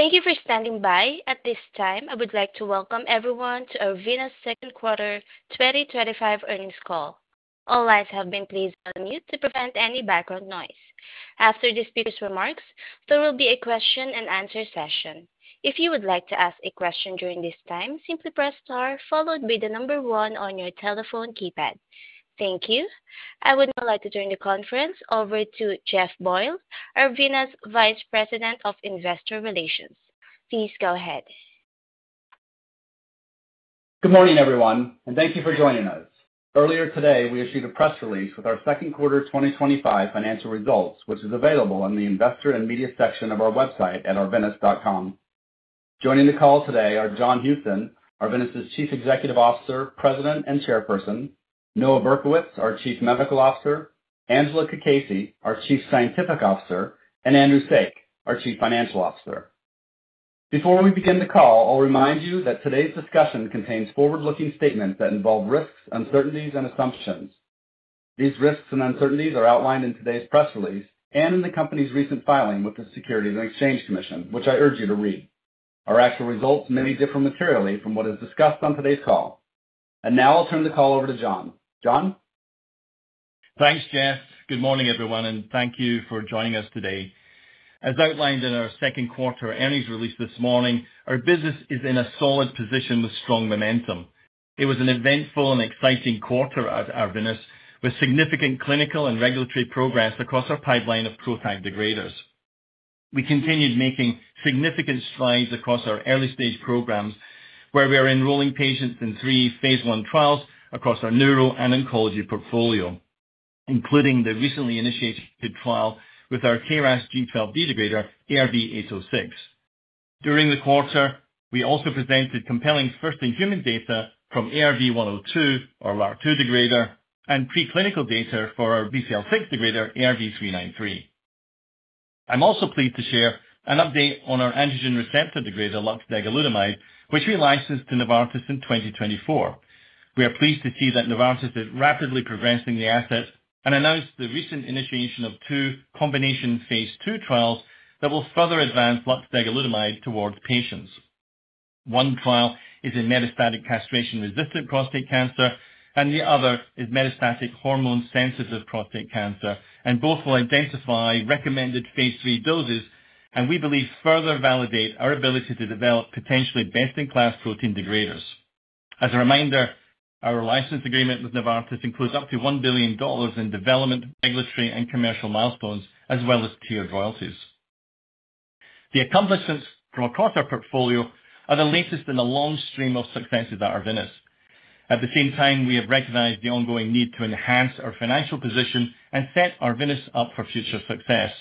Thank you for standing by. At this time, I would like to welcome everyone to our Arvinas Second Quarter 2025 Earnings Call. All lines have been placed on mute to prevent any background noise. After the speaker's remarks, there will be a question-and-answer session. If you would like to ask a question during this time, simply press Star followed by the number one on your telephone keypad. Thank you. I would now like to turn the conference over to Jeff Boyle, Arvinas Vice President of Investor Relations. Please go ahead. Good morning, everyone, and thank you for joining us. Earlier today, we released a press release with our second quarter 2025 financial results, which is available on the Investor and Media section of our website at arvinas.com. Joining the call today are John Houston, Arvinas' Chief Executive Officer, President and Chair; Noah Berkowitz, our Chief Medical Officer; Angela Cacace, our Chief Scientific Officer; and Andrew Saik, our Chief Financial Officer. Before we begin the call, I'll remind you that today's discussion contains forward-looking statements that involve risks, uncertainties, and assumptions. These risks and uncertainties are outlined in today's press release and in the company's recent filing with the Securities and Exchange Commission, which I urge you to read. Our actual results may differ materially from what is discussed on today's call. Now I'll turn the call over to John. John? Thanks, Jeff. Good morning, everyone, and thank you for joining us today. As outlined in our second quarter earnings release this morning, our business is in a solid position with strong momentum. It was an eventful and exciting quarter at Arvinas, with significant clinical and regulatory progress across our pipeline of protein degraders. We continued making significant strides across our early-stage programs, where we are enrolling patients in three phase I trials across our neuro and oncology portfolio, including the recently initiated trial with our KRAS G12D degrader ARV-806. During the quarter, we also presented compelling first-in-human data from ARV-102, our LRRK2 degrader, and preclinical data for our BCL6 degrader ARV-393. I'm also pleased to share an update on our androgen receptor degrader luxdegalutamide, which we licensed to Novartis in 2024. We are pleased to see that Novartis is rapidly progressing the asset and announced the recent initiation of two combination phase II trials that will further advance luxdegalutamide towards patients. One trial is in metastatic castration-resistant prostate cancer, and the other is metastatic hormone-sensitive prostate cancer, and both will identify recommended phase III doses and we believe further validate our ability to develop potentially best-in-class protein degraders. As a reminder, our license agreement with Novartis includes up to $1 billion in development, regulatory, and commercial milestones, as well as tiered royalties. The accomplishments from across our portfolio are the latest in a long stream of successes at Arvinas. At the same time, we have recognized the ongoing need to enhance our financial position and set Arvinas up for future success.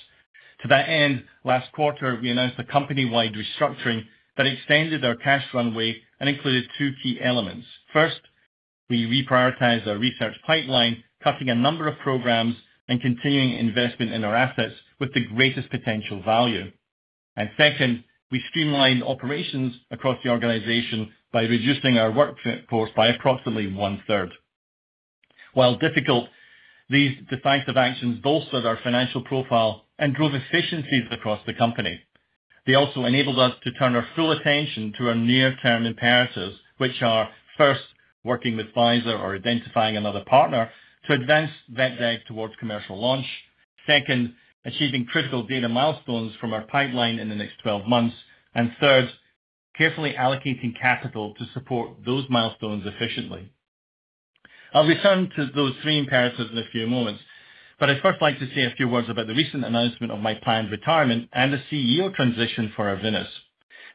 To that end, last quarter, we announced a company-wide restructuring that extended our cash runway and included two key elements. First, we reprioritized our research pipeline, cutting a number of programs and continuing investment in our assets with the greatest potential value. Second, we streamlined operations across the organization by reducing our workforce by approximately one-third. While difficult, these decisive actions bolstered our financial profile and drove efficiencies across the company. They also enabled us to turn our full attention to our near-term imperatives, which are first, working with Pfizer or identifying another partner to advance vepdeg towards commercial launch, second, achieving critical data milestones from our pipeline in the next 12 months, and third, carefully allocating capital to support those milestones efficiently. I'll return to those three imperatives in a few moments, but I'd first like to say a few words about the recent announcement of my planned retirement and the CEO transition for Arvinas.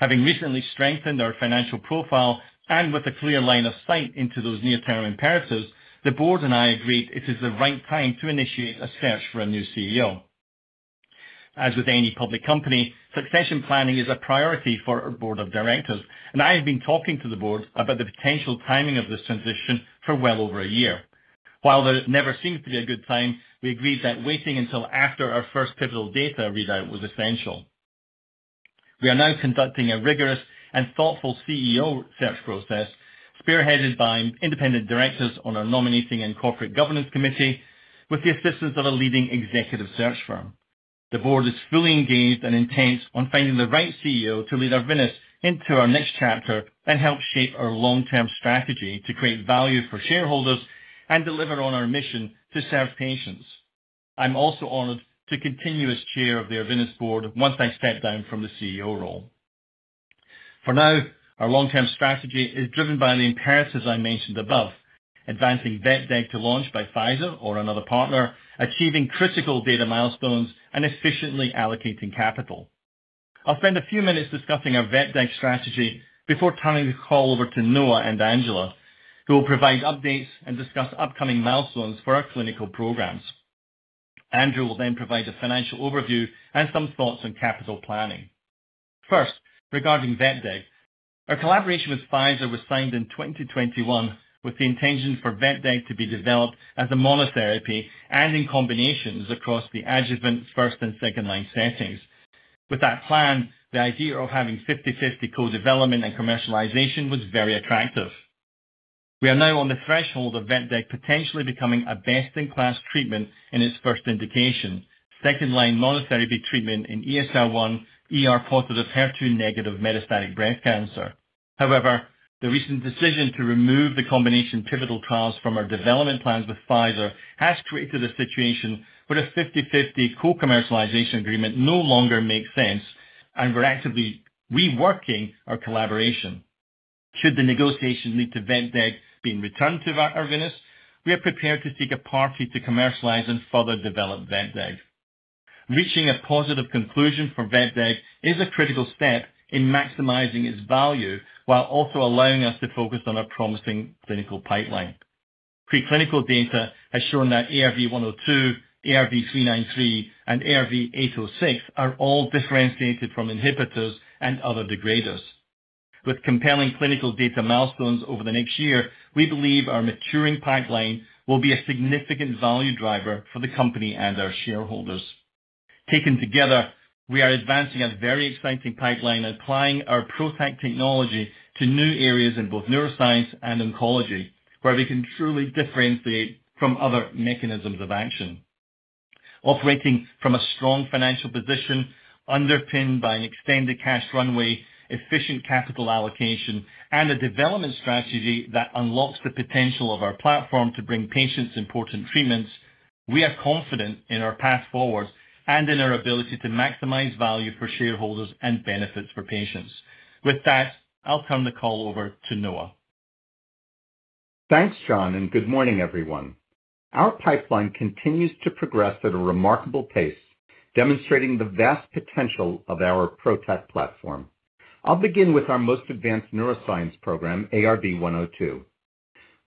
Having recently strengthened our financial profile and with a clear line of sight into those near-term imperatives, the board and I agreed it is the right time to initiate a search for a new CEO. As with any public company, succession planning is a priority for our Board of Directors, and I have been talking to the board about the potential timing of this transition for well over a year. While there never seems to be a good time, we agreed that waiting until after our first pivotal data readout was essential. We are now conducting a rigorous and thoughtful CEO search process, spearheaded by independent directors on our Nominating and Corporate Governance Committee, with the assistance of a leading executive search firm. The board is fully engaged and intent on finding the right CEO to lead Arvinas into our next chapter and help shape our long-term strategy to create value for shareholders and deliver on our mission to serve patients. I'm also honored to continue as Chair of the Arvinas board once I step down from the CEO role. For now, our long-term strategy is driven by the imperatives I mentioned above: advancing vepdeg to launch by Pfizer or another partner, achieving critical data milestones, and efficiently allocating capital. I'll spend a few minutes discussing our vepdeg strategy before turning the call over to Noah and Angela, who will provide updates and discuss upcoming milestones for our clinical programs. Andrew will then provide a financial overview and some thoughts on capital planning. First, regarding vepdeg, our collaboration with Pfizer was signed in 2021 with the intention for vepdeg to be developed as a monotherapy and in combinations across the adjuvant first and second-line settings. With that plan, the idea of having 50-50 co-development and commercialization was very attractive. We are now on the threshold of vepdeg potentially becoming a best-in-class treatment in its first indication, second-line monotherapy treatment in ESR1-positive, HER2-negative metastatic breast cancer. However, the recent decision to remove the combination pivotal trials from our development plans with Pfizer has created a situation where a 50-50 co-commercialization agreement no longer makes sense, and we're actively reworking our collaboration. Should the negotiations lead to vepdeg being returned to Arvinas, we are prepared to seek a party to commercialize and further develop vepdeg. Reaching a positive conclusion for vepdeg is a critical step in maximizing its value while also allowing us to focus on a promising clinical pipeline. Preclinical data has shown that ARV-102, ARV-393, and ARV-806 are all differentiated from inhibitors and other degraders. With compelling clinical data milestones over the next year, we believe our maturing pipeline will be a significant value driver for the company and our shareholders. Taken together, we are advancing a very exciting pipeline and applying our PROTAC technology to new areas in both neuroscience and oncology, where we can truly differentiate from other mechanisms of action. Operating from a strong financial position, underpinned by an extended cash runway, efficient capital allocation, and a development strategy that unlocks the potential of our platform to bring patients important treatments, we are confident in our path forward and in our ability to maximize value for shareholders and benefits for patients. With that, I'll turn the call over to Noah. Thanks, John, and good morning, everyone. Our pipeline continues to progress at a remarkable pace, demonstrating the vast potential of our PROTAC platform. I'll begin with our most advanced neuroscience program, ARV-102.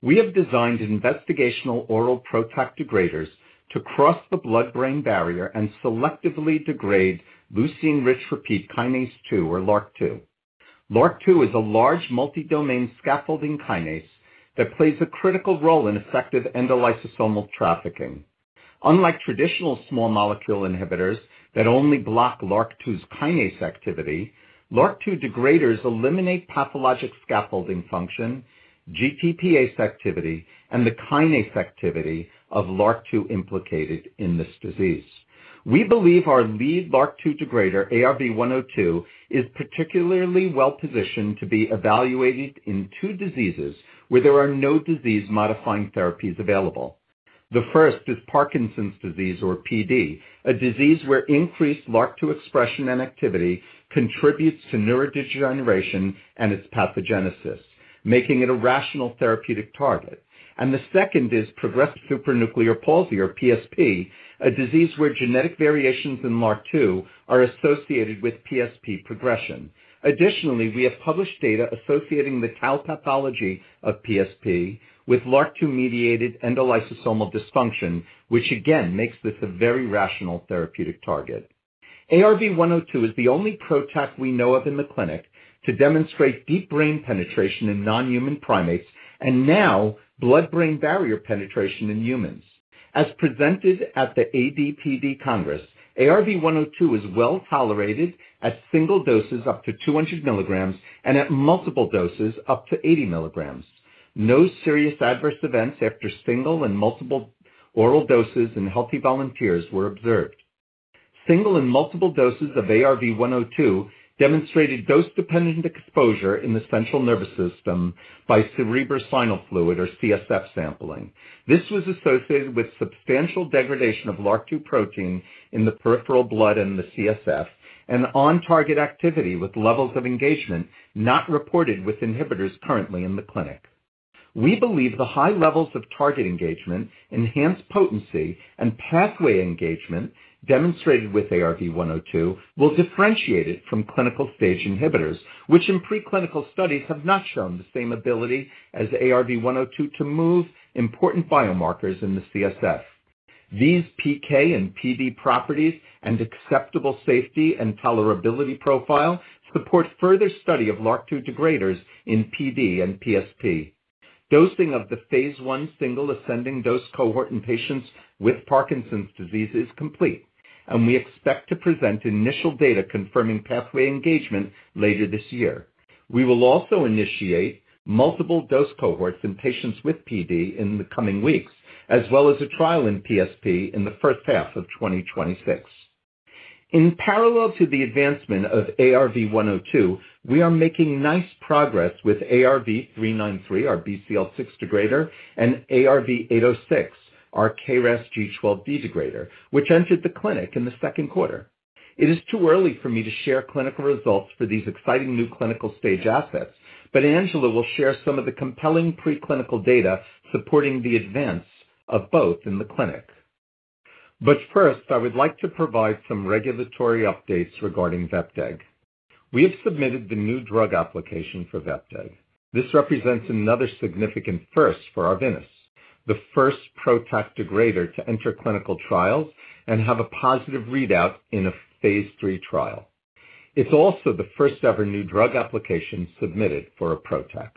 We have designed investigational oral PROTAC degraders to cross the blood-brain barrier and selectively degrade leucine-rich repeat kinase II, or LRRK2. LRRK2 is a large multi-domain scaffolding kinase that plays a critical role in effective endolysosomal trafficking. Unlike traditional small molecule inhibitors that only block LRRK2's kinase activity, LRRK2 degraders eliminate pathologic scaffolding function, GTPase activity, and the kinase activity of LRRK2 implicated in this disease. We believe our lead LRRK2 degrader, ARV-102, is particularly well positioned to be evaluated in two diseases where there are no disease-modifying therapies available. The first is Parkinson's disease, or PD, a disease where increased LRRK2 expression and activity contributes to neurodegeneration and its pathogenesis, making it a rational therapeutic target. The second is progressive supranuclear palsy, or PSP, a disease where genetic variations in LRRK2 are associated with PSP progression. Additionally, we have published data associating the tau pathology of PSP with LRRK2-mediated endolysosomal dysfunction, which again makes this a very rational therapeutic target. ARV-102 is the only PROTAC we know of in the clinic to demonstrate deep brain penetration in non-human primates and now blood-brain barrier penetration in humans. As presented at the AD/PD Congress, ARV-102 is well tolerated at single doses up to 200 mg and at multiple doses up to 80 mg. No serious adverse events after single and multiple oral doses in healthy volunteers were observed. Single and multiple doses of ARV-102 demonstrated dose-dependent exposure in the central nervous system by cerebrospinal fluid, or CSF, sampling. This was associated with substantial degradation of LRRK2 protein in the peripheral blood and the CSF and on-target activity with levels of engagement not reported with inhibitors currently in the clinic. We believe the high levels of target engagement, enhanced potency, and pathway engagement demonstrated with ARV-102 will differentiate it from clinical stage inhibitors, which in preclinical studies have not shown the same ability as ARV-102 to move important biomarkers in the CSF. These PK and PD properties and acceptable safety and tolerability profile support further study of LRRK2 degraders in PD and PSP. Dosing of the phase I single ascending dose cohort in patients with Parkinson's disease is complete, and we expect to present initial data confirming pathway engagement later this year. We will also initiate multiple dose cohorts in patients with PD in the coming weeks, as well as a trial in PSP in the first half of 2026. In parallel to the advancement of ARV-102, we are making nice progress with ARV-393, our BCL6 degrader, and ARV-806, our KRAS G12D degrader, which entered the clinic in the second quarter. It is too early for me to share clinical results for these exciting new clinical stage assets, but Angela will share some of the compelling preclinical data supporting the advance of both in the clinic. I would like to provide some regulatory updates regarding vepdeg. We have submitted the New Drug Application for vepdeg. This represents another significant first for Arvinas, the first PROTAC degrader to enter clinical trial and have a positive readout in a phase III trial. It's also the first ever New Drug Application submitted for a PROTAC.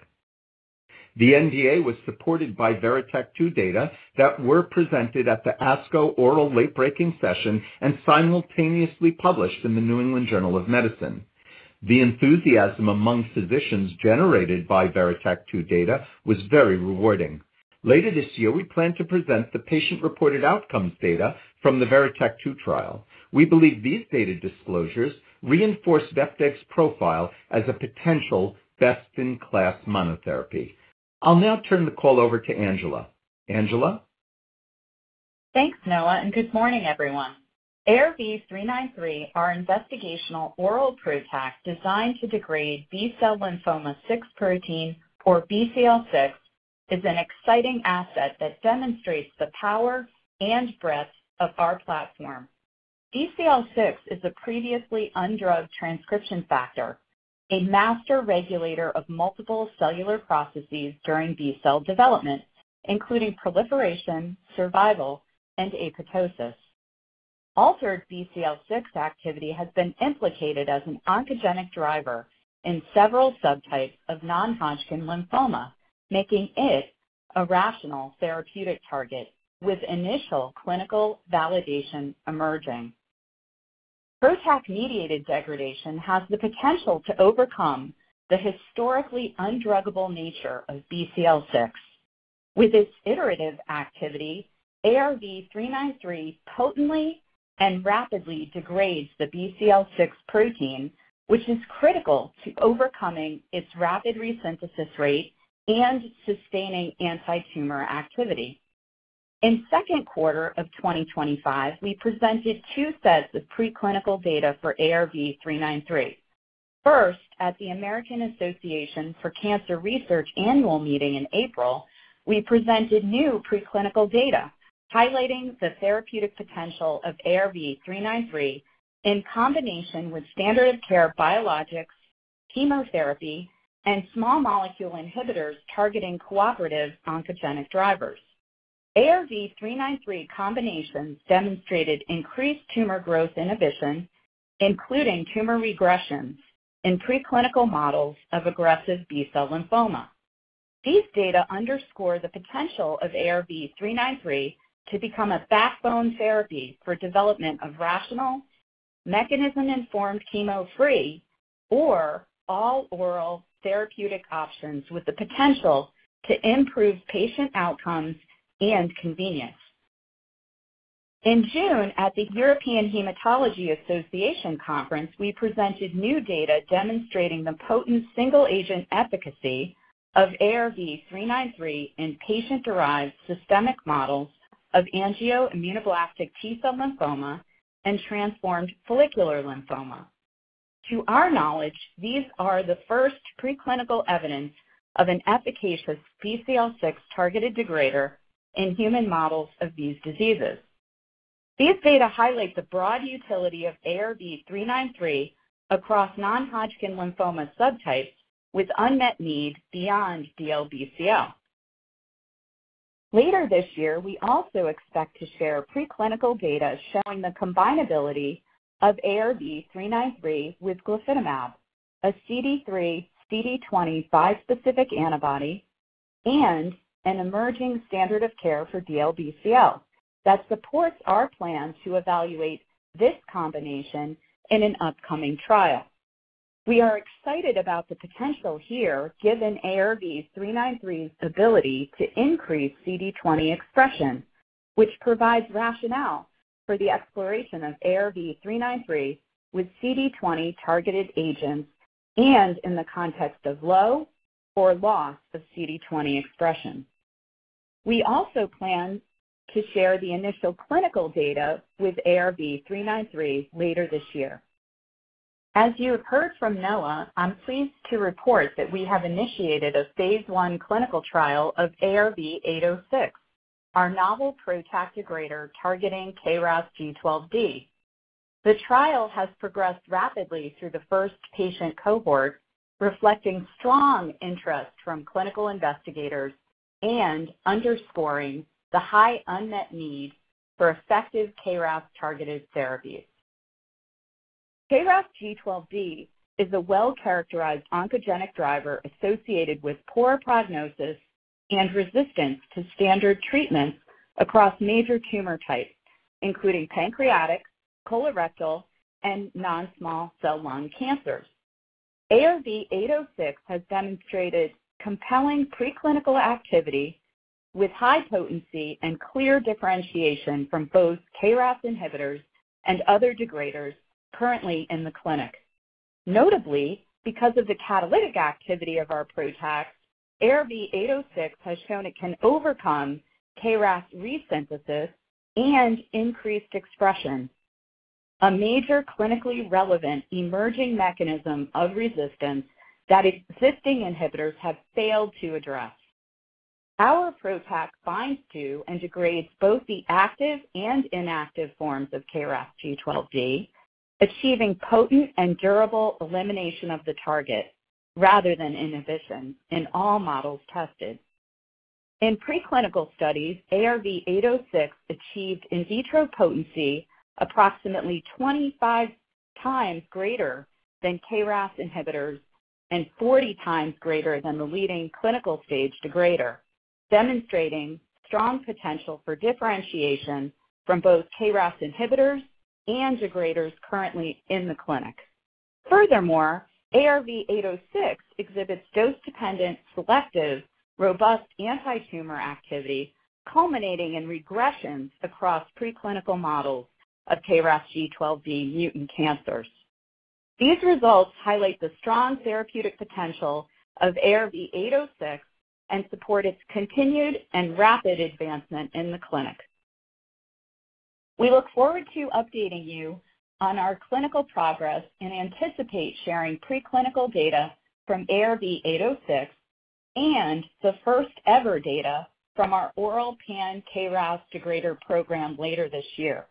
The NDA was supported by VERITAC-2 data that were presented at the ASCO oral late-breaking session and simultaneously published in the New England Journal of Medicine. The enthusiasm among physicians generated by VERITAC-2 data was very rewarding. Later this year, we plan to present the patient-reported outcomes data from the VERITAC-2 trial. We believe these data disclosures reinforce vepdeg's profile as a potential best-in-class monotherapy. I'll now turn the call over to Angela. Angela? Thanks, Noah, and good morning, everyone. ARV-393, our investigational oral PROTAC designed to degrade B-cell lymphoma 6 protein, or BCL6, is an exciting asset that demonstrates the power and breadth of our platform. BCL6 is a previously undrugged transcription factor, a master regulator of multiple cellular processes during B-cell development, including proliferation, survival, and apoptosis. Altered BCL6 activity has been implicated as an oncogenic driver in several subtypes of non-Hodgkin lymphoma, making it a rational therapeutic target with initial clinical validation emerging. PROTAC-mediated degradation has the potential to overcome the historically undruggable nature of BCL6. With its iterative activity, ARV-393 potently and rapidly degrades the BCL6 protein, which is critical to overcoming its rapid resynthesis rate and sustaining anti-tumor activity. In the second quarter of 2025, we presented two sets of preclinical data for ARV-393. First, at the American Association for Cancer Research annual meeting in April, we presented new preclinical data highlighting the therapeutic potential of ARV-393 in combination with standard of care biologics, chemotherapy, and small molecule inhibitors targeting cooperative oncogenic drivers. ARV-393 combinations demonstrated increased tumor growth inhibition, including tumor regression in preclinical models of aggressive B-cell lymphoma. These data underscore the potential of ARV-393 to become a backbone therapy for the development of rational, mechanism-informed, chemo-free, or all-oral therapeutic options with the potential to improve patient outcomes and convenience. In June, at the European Hematology Association Conference, we presented new data demonstrating the potent single-agent efficacy of ARV-393 in patient-derived systemic models of angioimmunoblastic T-cell lymphoma and transformed follicular lymphoma. To our knowledge, these are the first preclinical evidence of an efficacious BCL6-targeted degrader in human models of these diseases. These data highlight the broad utility of ARV-393 across non-Hodgkin lymphoma subtypes with unmet need beyond DLBCL. Later this year, we also expect to share preclinical data showing the combinability of ARV-393 with glofitamab, a CD3/CD20 bispecific antibody and an emerging standard of care for DLBCL that supports our plan to evaluate this combination in an upcoming trial. We are excited about the potential here given ARV-393's ability to increase CD20 expression, which provides rationale for the exploration of ARV-393 with CD20-targeted agents and in the context of low or loss of CD20 expression. We also plan to share the initial clinical data with ARV-393 later this year. As you heard from Noah, I'm pleased to report that we have initiated a phase I clinical trial of ARV-806, our novel protein degrader targeting KRAS G12D. The trial has progressed rapidly through the first patient cohort, reflecting strong interest from clinical investigators and underscoring the high unmet need for effective KRAS-targeted therapies. KRAS G12D is a well-characterized oncogenic driver associated with poor prognosis and resistance to standard treatments across major tumor types, including pancreatic, colorectal, and non-small cell lung cancers. ARV-806 has demonstrated compelling preclinical activity with high potency and clear differentiation from both KRAS inhibitors and other degraders currently in the clinic. Notably, because of the catalytic activity of our protein, ARV-806 has shown it can overcome KRAS resynthesis and increased expression, a major clinically relevant emerging mechanism of resistance that existing inhibitors have failed to address. Our protein binds to and degrades both the active and inactive forms of KRAS G12D, achieving potent and durable elimination of the target rather than inhibition in all models tested. In preclinical studies, ARV-806 achieved in vitro potency approximately 25x greater than KRAS inhibitors and 40x greater than the leading clinical stage degrader, demonstrating strong potential for differentiation from both KRAS inhibitors and degraders currently in the clinic. Furthermore, ARV-806 exhibits dose-dependent, selective, robust anti-tumor activity, culminating in regressions across preclinical models of KRAS G12D mutant cancers. These results highlight the strong therapeutic potential of ARV-806 and support its continued and rapid advancement in the clinic. We look forward to updating you on our clinical progress and anticipate sharing preclinical data from ARV-806 and the first ever data from our oral pan-KRAS degrader program later this year.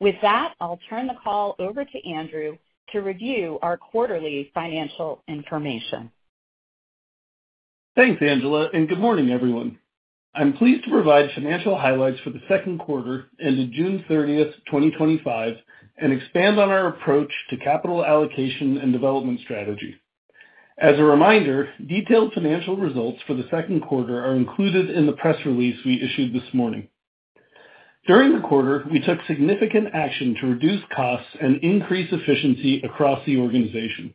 With that, I'll turn the call over to Andrew to review our quarterly financial information. Thanks, Angela, and good morning, everyone. I'm pleased to provide financial highlights for the second quarter ended June 30th, 2025, and expand on our approach to capital allocation and development strategy. As a reminder, detailed financial results for the second quarter are included in the press release we issued this morning. During the quarter, we took significant action to reduce costs and increase efficiency across the organization.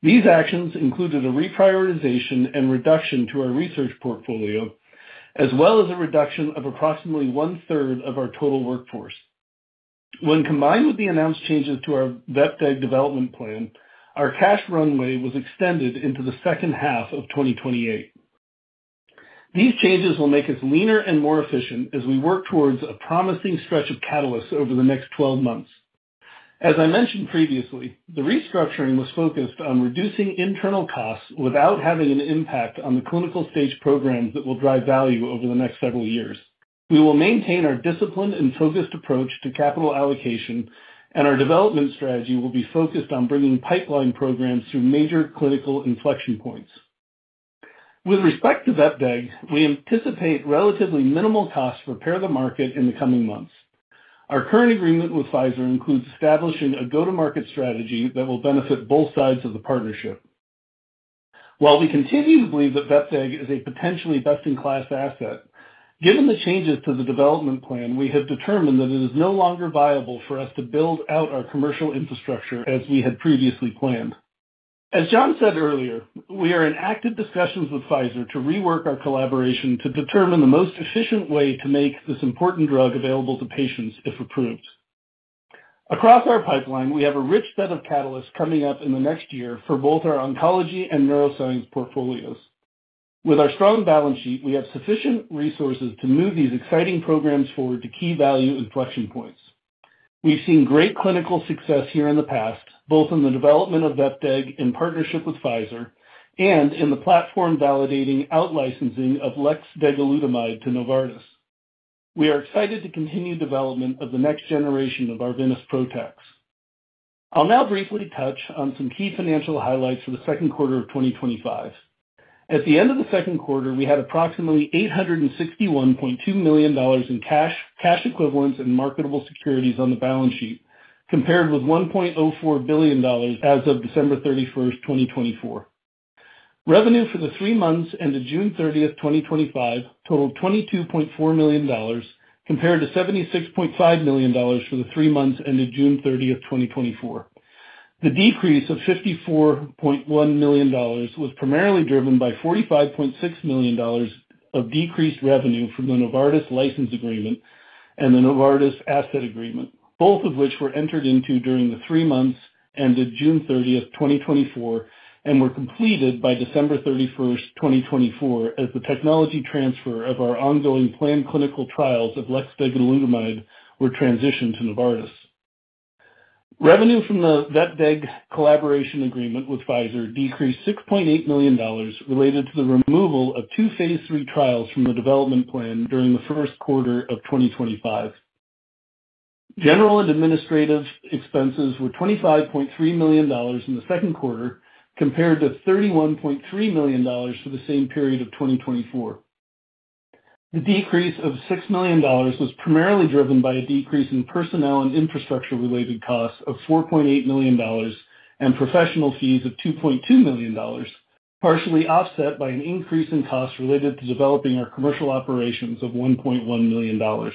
These actions included a reprioritization and reduction to our research portfolio, as well as a reduction of approximately one-third of our total workforce. When combined with the announced changes to our vepdeg development plan, our cash runway was extended into the second half of 2028. These changes will make us leaner and more efficient as we work towards a promising stretch of catalysts over the next 12 months. As I mentioned previously, the restructuring was focused on reducing internal costs without having an impact on the clinical stage programs that will drive value over the next several years. We will maintain our disciplined and focused approach to capital allocation, and our development strategy will be focused on bringing pipeline programs to major clinical inflection points. With respect to vepdeg, we anticipate relatively minimal costs to prepare the market in the coming months. Our current agreement with Pfizer includes establishing a go-to-market strategy that will benefit both sides of the partnership. While we continue to believe that vepdeg is a potentially best-in-class asset, given the changes to the development plan, we have determined that it is no longer viable for us to build out our commercial infrastructure as we had previously planned. As John said earlier, we are in active discussions with Pfizer to rework our collaboration to determine the most efficient way to make this important drug available to patients if approved. Across our pipeline, we have a rich set of catalysts coming up in the next year for both our oncology and neuroscience portfolios. With our strong balance sheet, we have sufficient resources to move these exciting programs forward to key value inflection points. We've seen great clinical success here in the past, both in the development of vepdeg in partnership with Pfizer and in the platform validating out-licensing of luxdegalutamide to Novartis. We are excited to continue development of the next generation of Arvinas PROTACs. I'll now briefly touch on some key financial highlights for the second quarter of 2025. At the end of the second quarter, we had approximately $861.2 million in cash, cash equivalents, and marketable securities on the balance sheet, compared with $1.04 billion as of December 31st, 2024. Revenue for the three months ended June 30th, 2025, totaled $22.4 million compared to $76.5 million for the three months ended June 30th, 2024. The decrease of $54.1 million was primarily driven by $45.6 million of decreased revenue from the Novartis license agreement and the Novartis asset agreement, both of which were entered into during the three months ended June 30TH, 2024, and were completed by December 31ST, 2024, as the technology transfer of our ongoing planned clinical trials of luxdegalutamide were transitioned to Novartis. Revenue from the vepdeg collaboration agreement with Pfizer decreased $6.8 million related to the removal of two phase III trials from the development plan during the first quarter of 2025. General and administrative expenses were $25.3 million in the second quarter compared to $31.3 million for the same period of 2024. The decrease of $6 million was primarily driven by a decrease in personnel and infrastructure-related costs of $4.8 million and professional fees of $2.2 million, partially offset by an increase in costs related to developing our commercial operations of $1.1 million.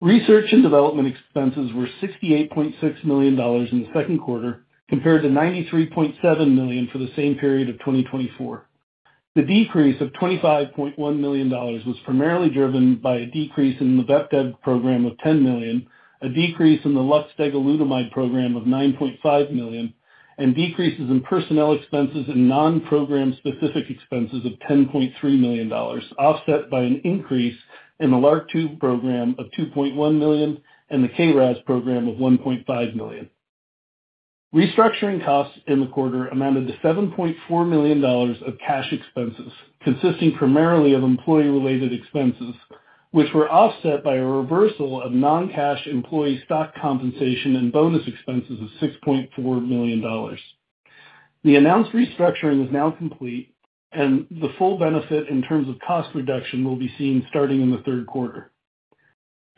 Research and development expenses were $68.6 million in the second quarter compared to $93.7 million for the same period of 2024. The decrease of $25.1 million was primarily driven by a decrease in the vepdeg program of $10 million, a decrease in the luxdegalutamide program of $9.5 million, and decreases in personnel expenses and non-program-specific expenses of $10.3 million, offset by an increase in the LRRK2 program of $2.1 million and the KRAS program of $1.5 million. Restructuring costs in the quarter amounted to $7.4 million of cash expenses, consisting primarily of employee-related expenses, which were offset by a reversal of non-cash employee stock compensation and bonus expenses of $6.4 million. The announced restructuring is now complete, and the full benefit in terms of cost reduction will be seen starting in the third quarter.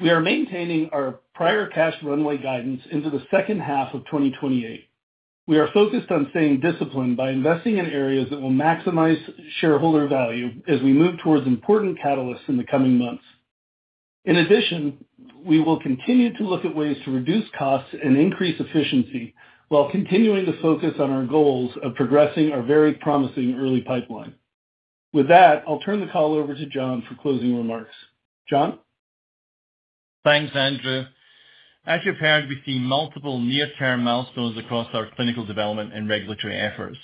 We are maintaining our prior cash runway guidance into the second half of 2028. We are focused on staying disciplined by investing in areas that will maximize shareholder value as we move towards important catalysts in the coming months. In addition, we will continue to look at ways to reduce costs and increase efficiency while continuing to focus on our goals of progressing our very promising early pipeline. With that, I'll turn the call over to John for closing remarks. John? Thanks, Andrew. As you've heard, we've seen multiple near-term milestones across our clinical development and regulatory efforts.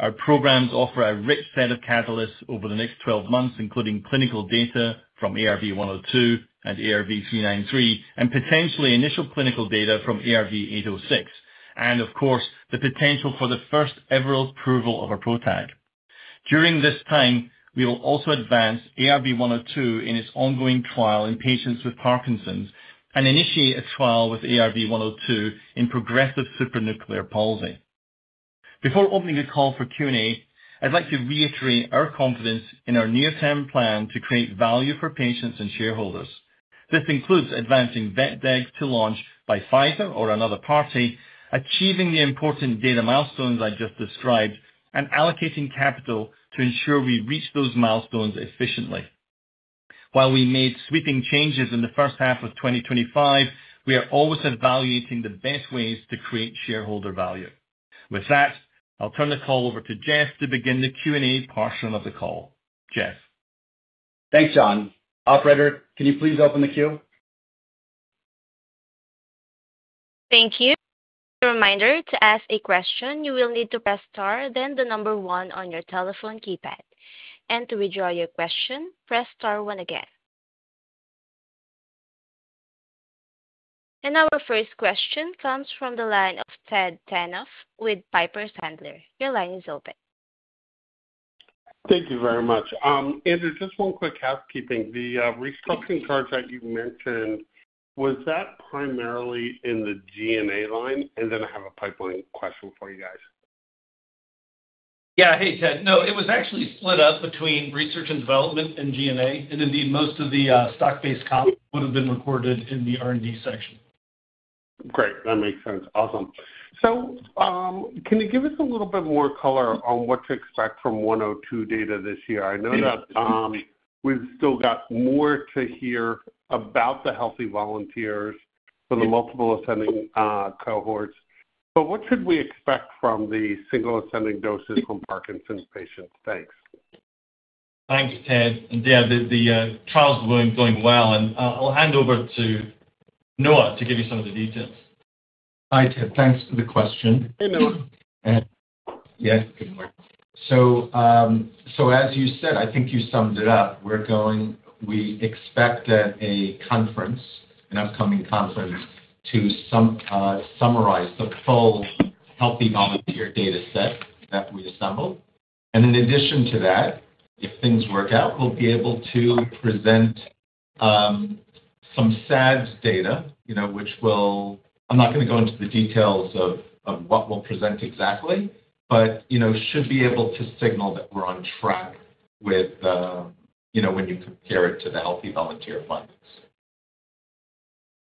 Our programs offer a rich set of catalysts over the next 12 months, including clinical data from ARV-102 and ARV-393, and potentially initial clinical data from ARV-806, and of course, the potential for the first ever approval of a PROTAC. During this time, we will also advance ARV-102 in its ongoing trial in patients with Parkinson's and initiate a trial with ARV-102 in progressive supranuclear palsy. Before opening the call for Q&A, I'd like to reiterate our confidence in our near-term plan to create value for patients and shareholders. This includes advancing vepdeg to launch by Pfizer or another party, achieving the important data milestones I just described, and allocating capital to ensure we reach those milestones efficiently. While we made sweeping changes in the first half of 2025, we are always evaluating the best ways to create shareholder value. With that, I'll turn the call over to Jeff to begin the Q&A portion of the call. Jeff? Thanks, John. Operator, can you please open the queue? Thank you. A reminder to ask a question, you will need to press Star then the number one on your telephone keypad. To withdraw your question, press Star, one again. Our first question comes from the line of Ted Tenthoff with Piper Sandler. Your line is open. Thank you very much. Andrew, just one quick housekeeping. The restructuring contract you mentioned, was that primarily in the G&A line? I have a pipeline question for you guys. Yeah, hey, Ted. No, it was actually split up between research and development and G&A, and indeed most of the stock-based comp would have been recorded in the R&D section. Great. That makes sense. Awesome. Can you give us a little bit more color on what to expect from ARV-102 data this year? I know that we've still got more to hear about the healthy volunteers for the multiple ascending cohorts. What should we expect from the single ascending doses from Parkinson's patients? Thanks. Thanks, Ted. The trials were going well. I'll hand over to Noah to give you some of the details. Hi, Ted. Thanks for the question. Hey, Noah. Good morning. As you said, I think you summed it up. We're going, we expect a conference, an upcoming conference, to summarize the full healthy volunteer data set that we assembled. In addition to that, if things work out, we'll be able to present some SADS data, you know, which will, I'm not going to go into the details of what we'll present exactly, but you know, should be able to signal that we're on track with, you know, when you compare it to the healthy volunteer ones.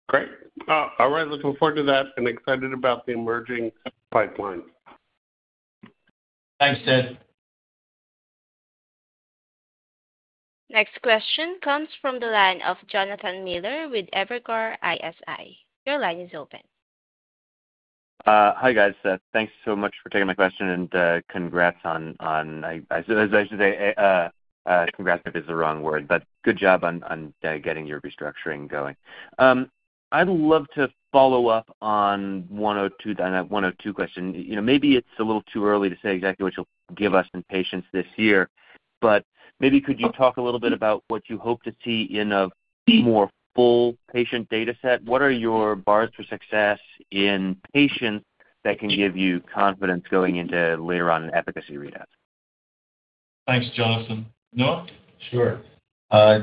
Great. All right, looking forward to that and excited about the emerging pipeline. Thanks, Ted. Next question comes from the line of Jonathan Miller with Evercore ISI. Your line is open. Hi guys, thanks so much for taking the question and congrats on, I should say, congrats maybe is the wrong word, but good job on getting your restructuring going. I'd love to follow up on the 102 question. Maybe it's a little too early to say exactly what you'll give us in patients this year, but maybe could you talk a little bit about what you hope to see in a more full patient data set? What are your bars for success in patients that can give you confidence going into later on in efficacy readouts? Thanks, Jonathan. Noah? Sure.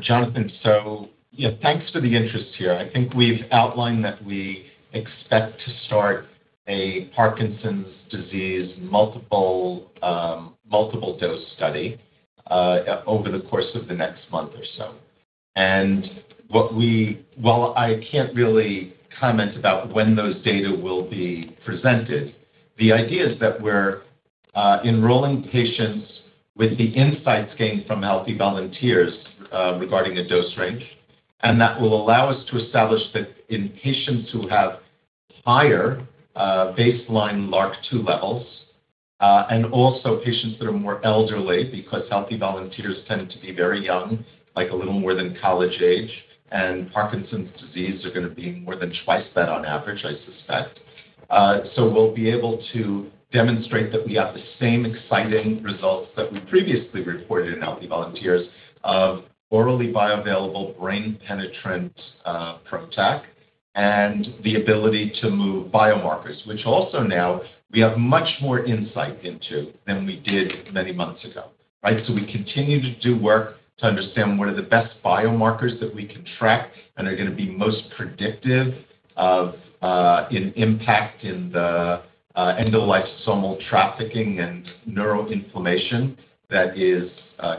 Jonathan, so yeah, thanks for the interest here. I think we've outlined that we expect to start a Parkinson's disease multiple dose study over the course of the next month or so. While I can't really comment about when those data will be presented, the idea is that we're enrolling patients with the insights gained from healthy volunteers regarding a dose range, and that will allow us to establish that in patients who have higher baseline LRRK2 levels and also patients that are more elderly because healthy volunteers tend to be very young, like a little more than college age, and Parkinson's disease is going to be more than twice that on average, I suspect. We'll be able to demonstrate that we have the same exciting results that we previously reported in healthy volunteers of orally bioavailable brain-penetrant protein degrader and the ability to move biomarkers, which also now we have much more insight into than we did many months ago. We continue to do work to understand what are the best biomarkers that we can track and are going to be most predictive of an impact in the endolysosomal trafficking and neuroinflammation that is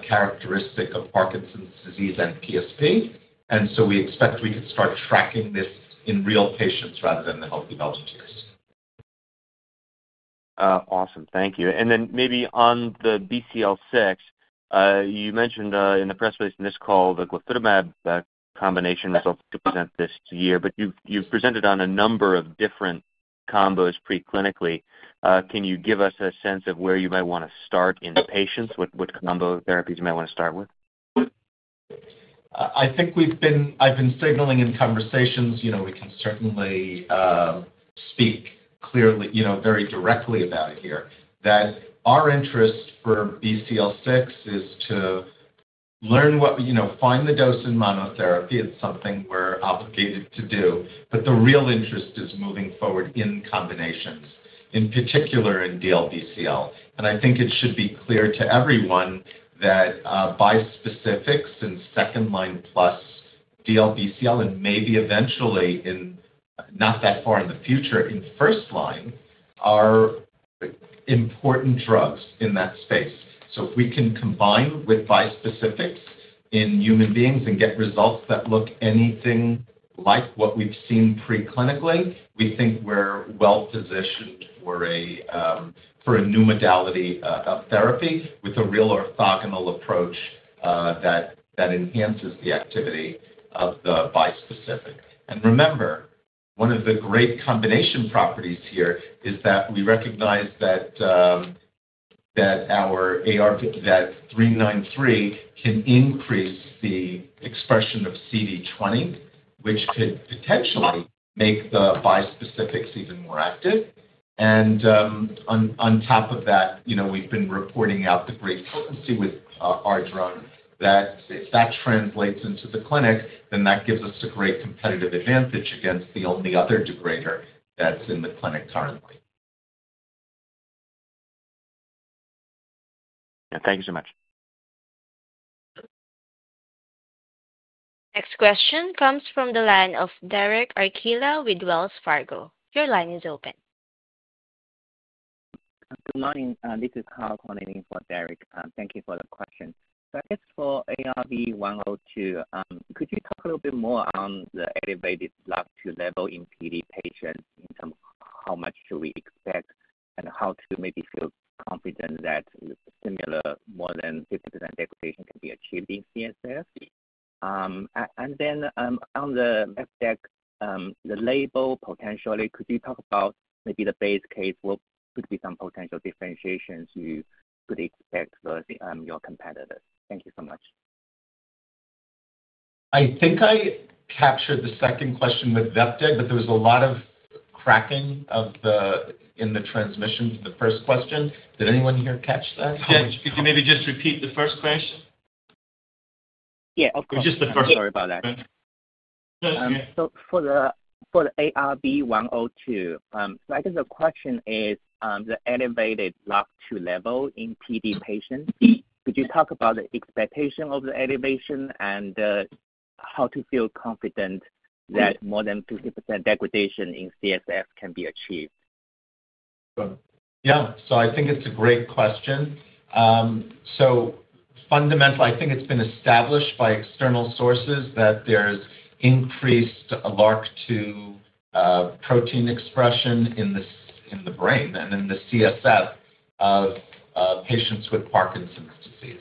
characteristic of Parkinson's disease and PSP. We expect we can start tracking this in real patients rather than the healthy volunteers. Awesome, thank you. On the BCL6, you mentioned in the press release in this call the glutamate combination result that you present this year, but you've presented on a number of different combos preclinically. Can you give us a sense of where you might want to start in the patients, which combo therapies you might want to start with? I think we've been signaling in conversations, you know, we can certainly speak clearly, you know, very directly about it here, that our interest for BCL6 is to learn what, you know, find the dose in monotherapy. It's something we're obligated to do, but the real interest is moving forward in combinations, in particular in DLBCL. It should be clear to everyone that bispecifics in second line plus DLBCL and maybe eventually in not that far in the future in first line are important drugs in that space. If we can combine with bispecifics in human beings and get results that look anything like what we've seen preclinically, we think we're well positioned for a new modality of therapy with a real orthogonal approach that enhances the activity of the bispecific. Remember, one of the great combination properties here is that we recognize that our ARV-393 can increase the expression of CD20, which could potentially make the bispecifics even more active. On top of that, you know, we've been reporting out the great potency with our drug that if that translates into the clinic, then that gives us a great competitive advantage against the only other degrader that's in the clinic currently. Thank you so much. Next question comes from the line of Derek Archila with Wells Fargo. Your line is open. Good morning. This is Karl calling in for Derek. Thank you for the question. For ARV-102, could you talk a little bit more on the elevated LRRK2 level in CD patients in terms of how much do we expect and how to maybe feel confident that similar, more than 50% degradation can be achieved in CSF? On the vepdeg, the label potentially, could you talk about maybe the base case? What could be some potential differentiations you could expect versus your competitors? Thank you so much. I think I captured the second question with vepdeg, but there's a lot of cracking in the transmissions in the first question. Did anyone here catch that? Could you maybe just repeat the first question? Yeah, of course. Just the first, Sure. For the ARV-102, I think the question is the elevated LRRK2 level in PD patients. Could you talk about the expectation of the elevation and how to feel confident that more than 50% degradation in CSF can be achieved? Yeah, I think it's a great question. Fundamentally, I think it's been established by external sources that there's increased LRRK2 protein expression in the brain and in the CSF of patients with Parkinson's disease.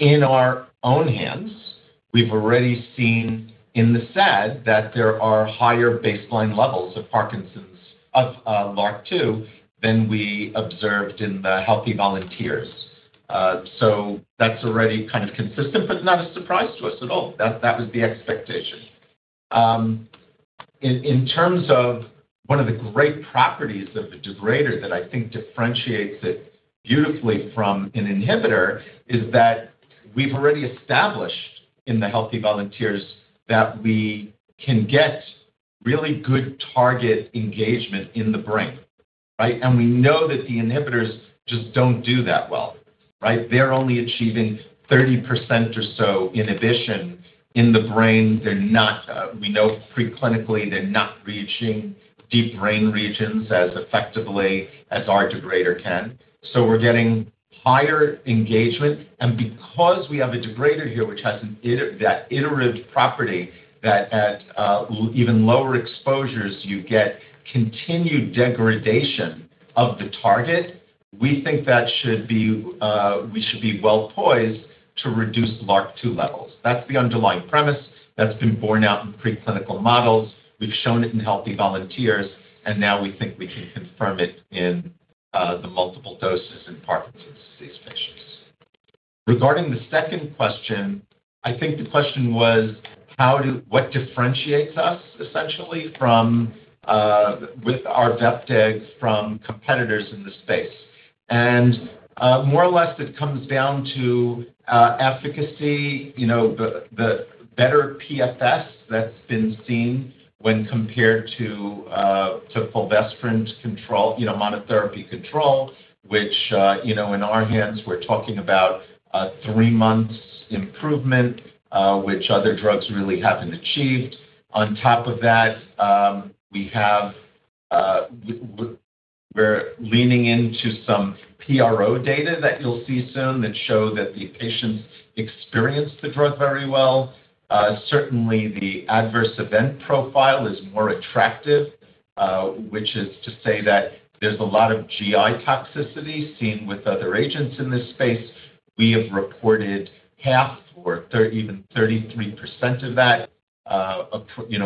In our own hands, we've already seen in the SAD that there are higher baseline levels of LRRK2 than we observed in the healthy volunteers. That's already kind of consistent, but not a surprise to us at all. That was the expectation. In terms of one of the great properties of the degrader that I think differentiates it beautifully from an inhibitor is that we've already established in the healthy volunteers that we can get really good target engagement in the brain. We know that the inhibitors just don't do that well. They're only achieving 30% or so inhibition in the brain. We know preclinically they're not reaching deep brain regions as effectively as our degrader can. We're getting higher engagement. Because we have a degrader here, which has that iterative property that at even lower exposures, you get continued degradation of the target, we think we should be well poised to reduce LRRK2 levels. That's the underlying premise that's been borne out in preclinical models. We've shown it in healthy volunteers, and now we think we can confirm it in the multiple doses in Parkinson's disease patients. Regarding the second question, I think the question was, what differentiates us essentially with our vepdeg from competitors in the space? More or less, it comes down to efficacy, the better PFS that's been seen when compared to fulvestrant control, monotherapy control, which in our hands, we're talking about three months improvement, which other drugs really haven't achieved. On top of that, we're leaning into some PRO data that you'll see soon that show that the patients experience the drug very well. Certainly, the adverse event profile is more attractive, which is to say that there's a lot of GI toxicity seen with other agents in this space. We have reported half or even 33% of that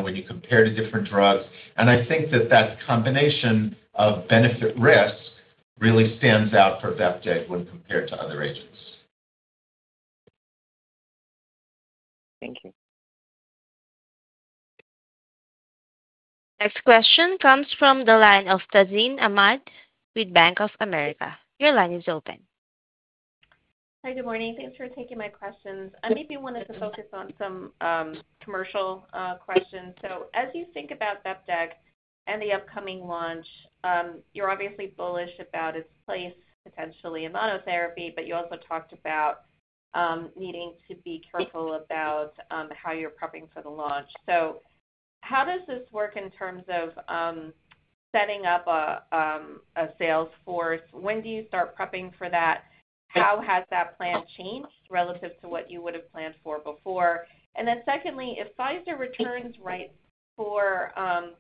when you compare to different drugs. I think that combination of benefit-risk really stands out for vepdeg when compared to other agents. Thank you. Next question comes from the line of Tazeen Ahmad with Bank of America. Your line is open. Hi, good morning. Thanks for taking my questions. I maybe wanted to focus on some commercial questions. As you think about vepdegestrant and the upcoming launch, you're obviously bullish about its place, potentially in monotherapy, but you also talked about needing to be careful about how you're prepping for the launch. How does this work in terms of setting up a sales force? When do you start prepping for that? How has that plan changed relative to what you would have planned for before? Secondly, if Pfizer returns rights for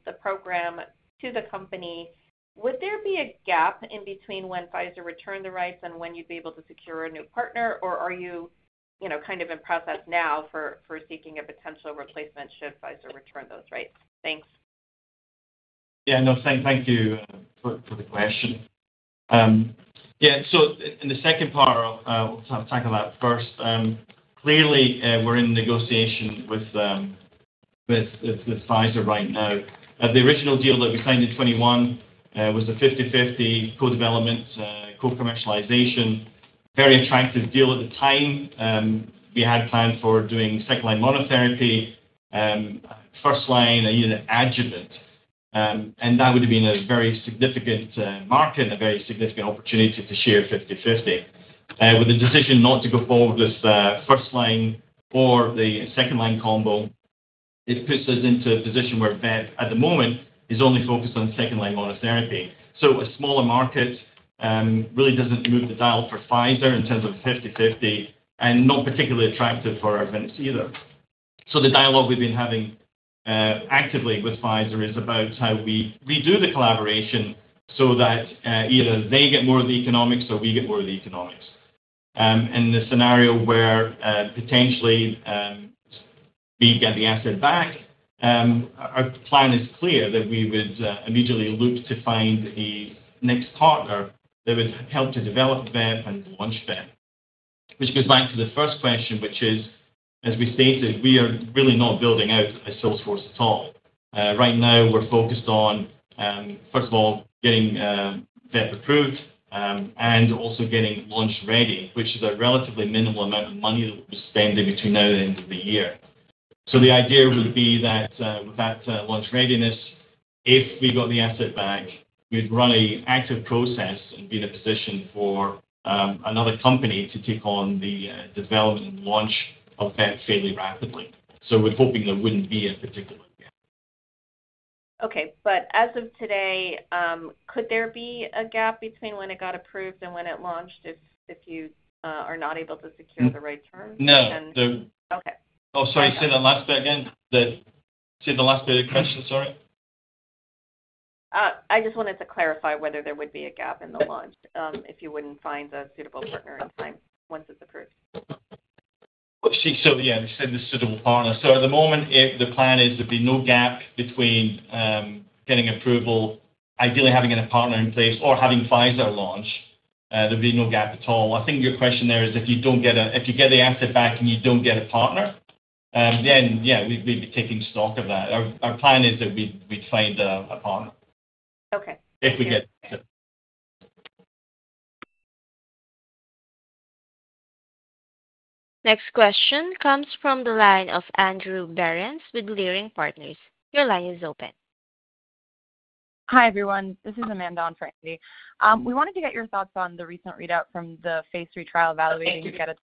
the program to the company, would there be a gap in between when Pfizer returned the rights and when you'd be able to secure a new partner, or are you, you know, kind of in process now for seeking a potential replacement should Pfizer return those rights? Thanks. Thank you for the question. In the second part, I'll talk about first, really, we're in negotiations with Pfizer right now. The original deal that we signed in 2021 was a 50-50 co-development, co-commercialization, very attractive deal at the time. We had plans for doing second-line monotherapy, first-line and even adjuvant. That would have been a very significant market and a very significant opportunity to share 50-50. With the decision not to go forward with first-line or the second-line combo, it puts us into a position where vep at the moment is only focused on second-line monotherapy. A smaller market really doesn't move the dial for Pfizer in terms of 50-50 and not particularly attractive for Arvinas either. The dialogue we've been having actively with Pfizer is about how we redo the collaboration so that either they get more of the economics or we get more of the economics. In the scenario where potentially we get the asset back, our plan is clear that we would immediately look to find a next partner that would help to develop vep and launch vep. Which gets back to the first question, which is, as we stated, we are really not building out a sales force at all. Right now, we're focused on, first of all, getting vep approved and also getting launch ready, which is a relatively minimal amount of money that we're spending between now and the end of the year. The idea would be that with that launch readiness, if we got the asset back, we'd run an active process and be in a position for another company to take on the development and launch of vep fairly rapidly. We're hoping there wouldn't be a particular gap. Okay, as of today, could there be a gap between when it got approved and when it launched if you are not able to secure the right terms? No. Okay. Sorry, say the last bit again. Say the last bit of the question, sorry. I just wanted to clarify whether there would be a gap in the launch if you wouldn't find a suitable partner in time once it's approved. They said the suitable partner. At the moment, the plan is there'd be no gap between getting approval, ideally having a partner in place, or having Pfizer launch. There'd be no gap at all. I think your question there is if you don't get a, if you get the asset back and you don't get a partner, then yeah, we'd be taking stock of that. Our plan is that we'd find a partner. Okay. Thanks again. Next question comes from the line of Andrew Berens with Leerink Partners. Your line is open. Hi everyone, this is Amanda on Andy. We wanted to get your thoughts on the recent readout from the phase III trial evaluating vepdeg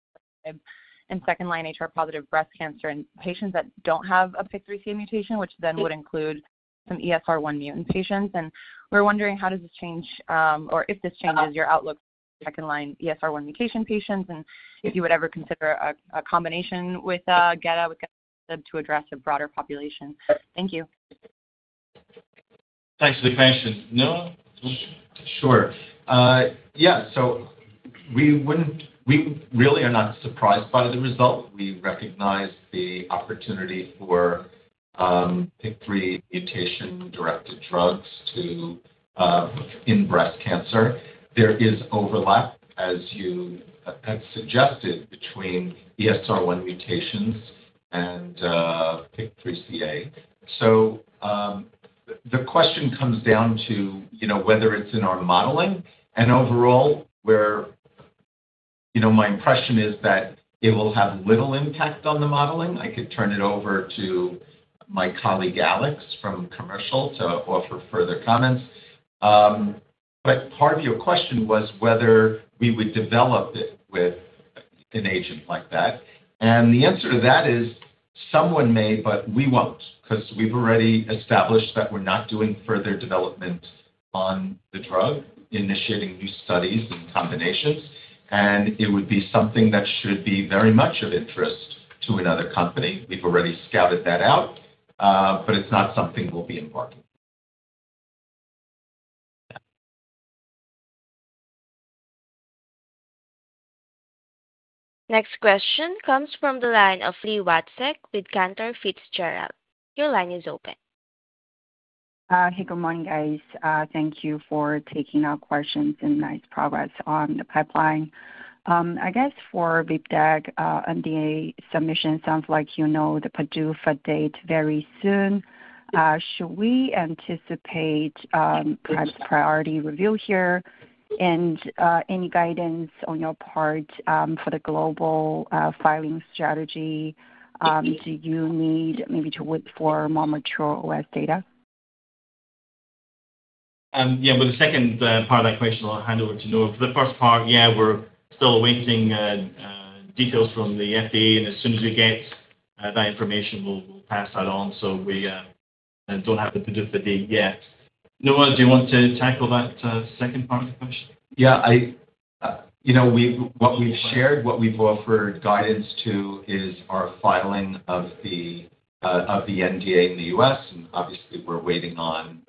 in second-line HR positive breast cancer in patients that don't have a PIK3CA mutation, which then would include some ESR1 mutant patients. We're wondering how does this change, or if this changes your outlook for second-line ESR1 mutation patients, and if you would ever consider a combination with vepdegestrant to address a broader population. Thank you. Thanks for the question. Noah? Sure. Yeah, we really are not surprised by the result. We recognize the opportunity for PIK3 mutation-directed drugs in breast cancer. There is overlap, as you had suggested, between ESR1 mutations and PIK3CA. The question comes down to whether it's in our modeling. Overall, my impression is that it will have little impact on the modeling. I could turn it over to my colleague Alex from commercial to offer further comments. Part of your question was whether we would develop it with an agent like that. The answer to that is someone may, but we won't because we've already established that we're not doing further development on the drug, initiating new studies and combinations. It would be something that should be very much of interest to another company. We've already scattered that out, but it's not something that will be important. Next question comes from the line of Li Watsek with Cantor Fitzgerald. Your line is open. Hey, good morning guys. Thank you for taking questions and nice progress on the pipeline. I guess for vepdeg NDA submission, it sounds like you know the PDUFA date very soon. Should we anticipate a priority review here? Any guidance on your part for the global filing strategy? Do you need maybe to wait for more mature OS data? Yeah, with the second part of that question, I'll hand over to Noah. For the first part, we're still awaiting details from the FDA, and as soon as we get that information, we'll pass that on. We don't have the PDUFA date yet. Noah, do you want to tackle that second part of the question? Yeah, what we've shared, what we've offered guidance to is our filing of the NDA in the U.S., and obviously we're waiting on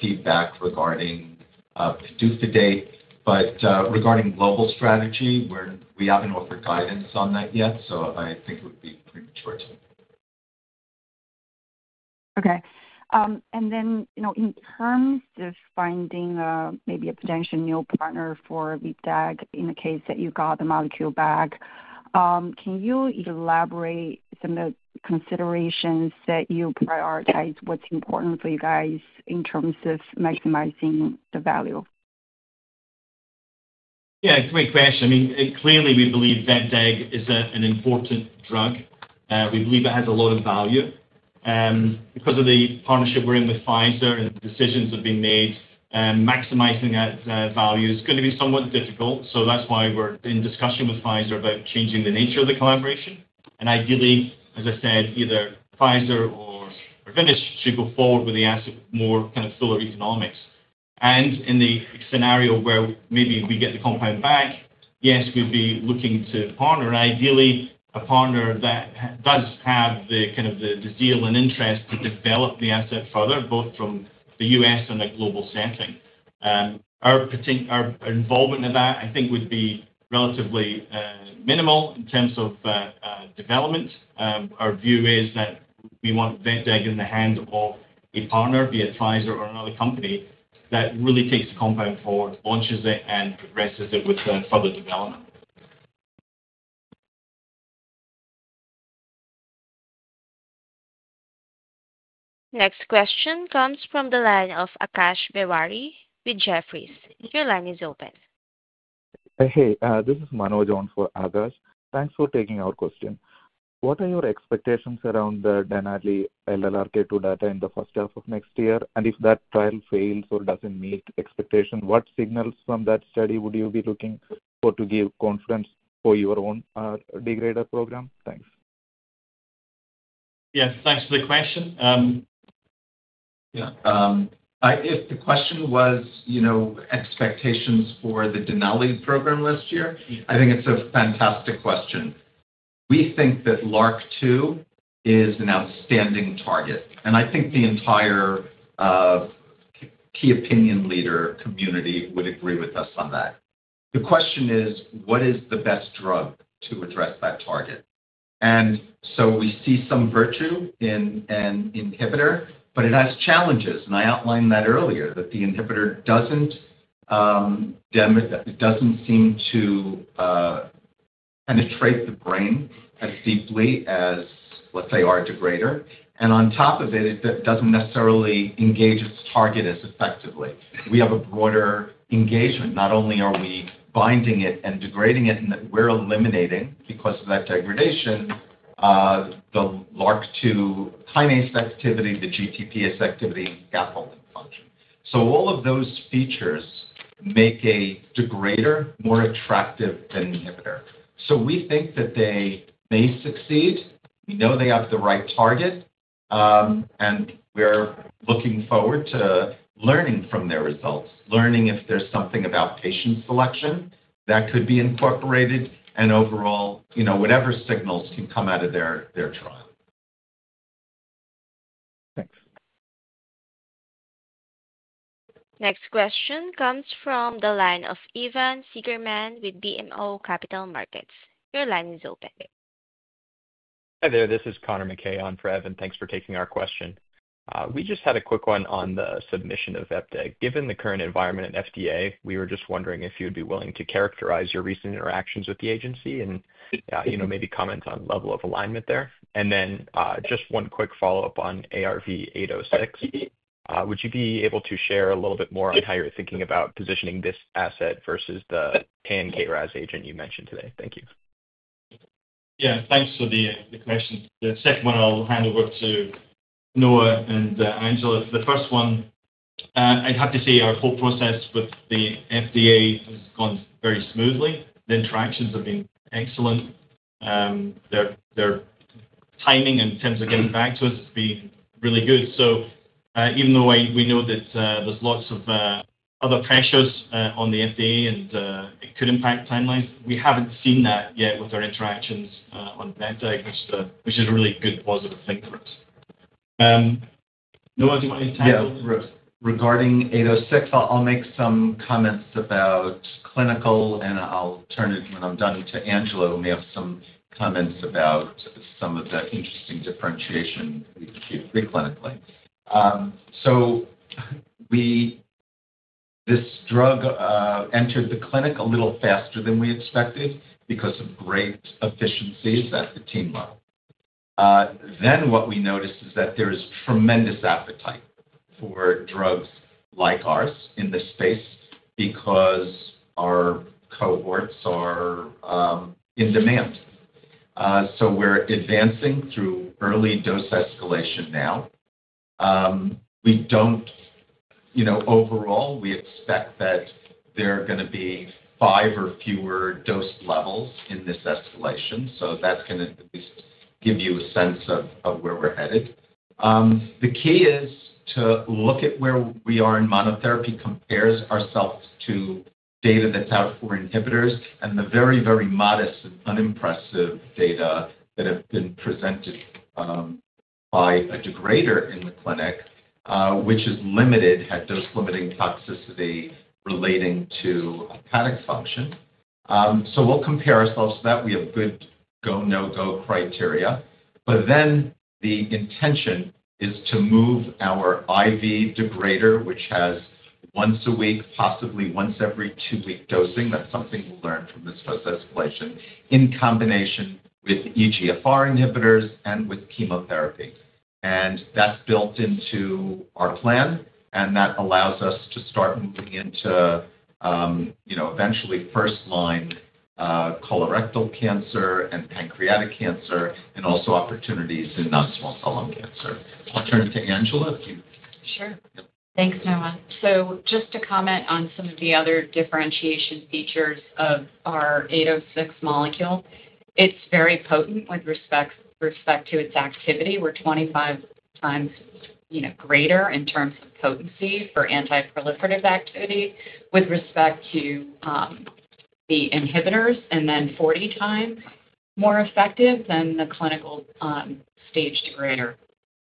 feedback regarding PDUFA date. Regarding global strategy, we haven't offered guidance on that yet, so I think it would be premature. Okay. In terms of finding maybe a potential new partner for vepdeg in the case that you got the molecule back, can you elaborate on the considerations that you prioritize? What's important for you guys in terms of maximizing the value? Yeah, it's a great question. I mean, clearly, we believe vepdeg is an important drug. We believe it has a lot of value. Because of the partnership we're in with Pfizer, decisions have been made. Maximizing that value is going to be somewhat difficult. That's why we're in discussion with Pfizer about changing the nature of the collaboration. Ideally, as I said, either Pfizer or Arvinas should go forward with the asset with more kind of sole economics. In the scenario where maybe we get the compound back, yes, we'd be looking to partner. Ideally, a partner that does have the kind of the deal and interest to develop the asset further, both from the U.S. and a global setting. Our involvement in that, I think, would be relatively minimal in terms of development. Our view is that we want vepdeg in the hand of a partner, be it Pfizer or another company, that really takes the compound forward, launches it, and progresses it with further development. Next question comes from the line of Akash Tewari with Jefferies. Your line is open. Hey, this is Manoj on for Akash. Thanks for taking our question. What are your expectations around the Dynately LRRK2 data in the first half of next year? If that trial fails or doesn't meet expectations, what signals from that study would you be looking for to give confidence for your own degrader program? Thanks. Yes, thanks for the question. If the question was, you know, expectations for the Dynately program last year, I think it's a fantastic question. We think that LRRK2 is an outstanding target. I think the entire key opinion leader community would agree with us on that. The question is, what is the best drug to address that target? We see some virtue in an inhibitor, but it has challenges. I outlined that earlier, that the inhibitor doesn't seem to penetrate the brain as deeply as, let's say, our degrader. On top of it, it doesn't necessarily engage its target as effectively. We have a broader engagement. Not only are we binding it and degrading it, and we're eliminating because of that degradation, the LRRK2 kinase sensitivity, the GTPase activity, and scaffolding function. All of those features make a degrader more attractive than an inhibitor. We think that they may succeed. We know they have the right target. We're looking forward to learning from their results, learning if there's something about patient selection that could be incorporated, and overall, you know, whatever signals can come out of their trial. Thanks. Next question comes from the line of Evan Seigerman with BMO Capital Markets. Your line is open. Hi there, this is Connor McKay on Evan, and thanks for taking our question. We just had a quick one on the submission of vepdeg. Given the current environment at FDA, we were just wondering if you'd be willing to characterize your recent interactions with the agency and, you know, maybe comment on the level of alignment there. One quick follow-up on ARV-806. Would you be able to share a little bit more on how you're thinking about positioning this asset versus the pan-KRAS agent you mentioned today? Thank you. Yeah, thanks for the question. The second one, I'll hand over to Noah and Angela. The first one, I'd have to say our whole process with the FDA has gone very smoothly. The interactions have been excellent. Their timing and sense of getting back to us has been really good. Even though we know that there's lots of other pressures on the FDA and it could impact timelines, we haven't seen that yet with our interactions on vepdeg, which is a really good positive thing for us. Noah, do you want to tackle regarding ARV-806? I'll make some comments about clinical, and I'll turn it when I'm done to Angela. We may have some comments about some of the interesting differentiation we've achieved preclinically. This drug entered the clinic a little faster than we expected because of great efficiencies. That's the team, though. What we noticed is that there's tremendous appetite for drugs like ours in this space because our cohorts are in demand. We're advancing through early dose escalation now. Overall, we expect that there are going to be five or fewer dose levels in this escalation. That's going to at least give you a sense of where we're headed. The key is to look at where we are in monotherapy, compare ourselves to data that's out for inhibitors and the very, very modest and unimpressive data that have been presented by a degrader in the clinic, which is limited at dose-limiting toxicity relating to a pancreatic function. We'll compare ourselves to that. We have good go-no-go criteria. The intention is to move our IV degrader, which has once a week, possibly once every two-week dosing. That's something we'll learn from this dose escalation in combination with EGFR inhibitors and with chemotherapy. That's built into our plan, and that allows us to start moving into, eventually, first-line colorectal cancer and pancreatic cancer and also opportunities in non-small cell lung cancer. I'll turn it to Angela. Sure. Thanks, Noah. Just to comment on some of the other differentiation features of our ARV-806 molecule, it's very potent with respect to its activity. We're 25x greater in terms of potency for antiproliferative activity with respect to the inhibitors, and then 40x more effective than the clinical stage degrader.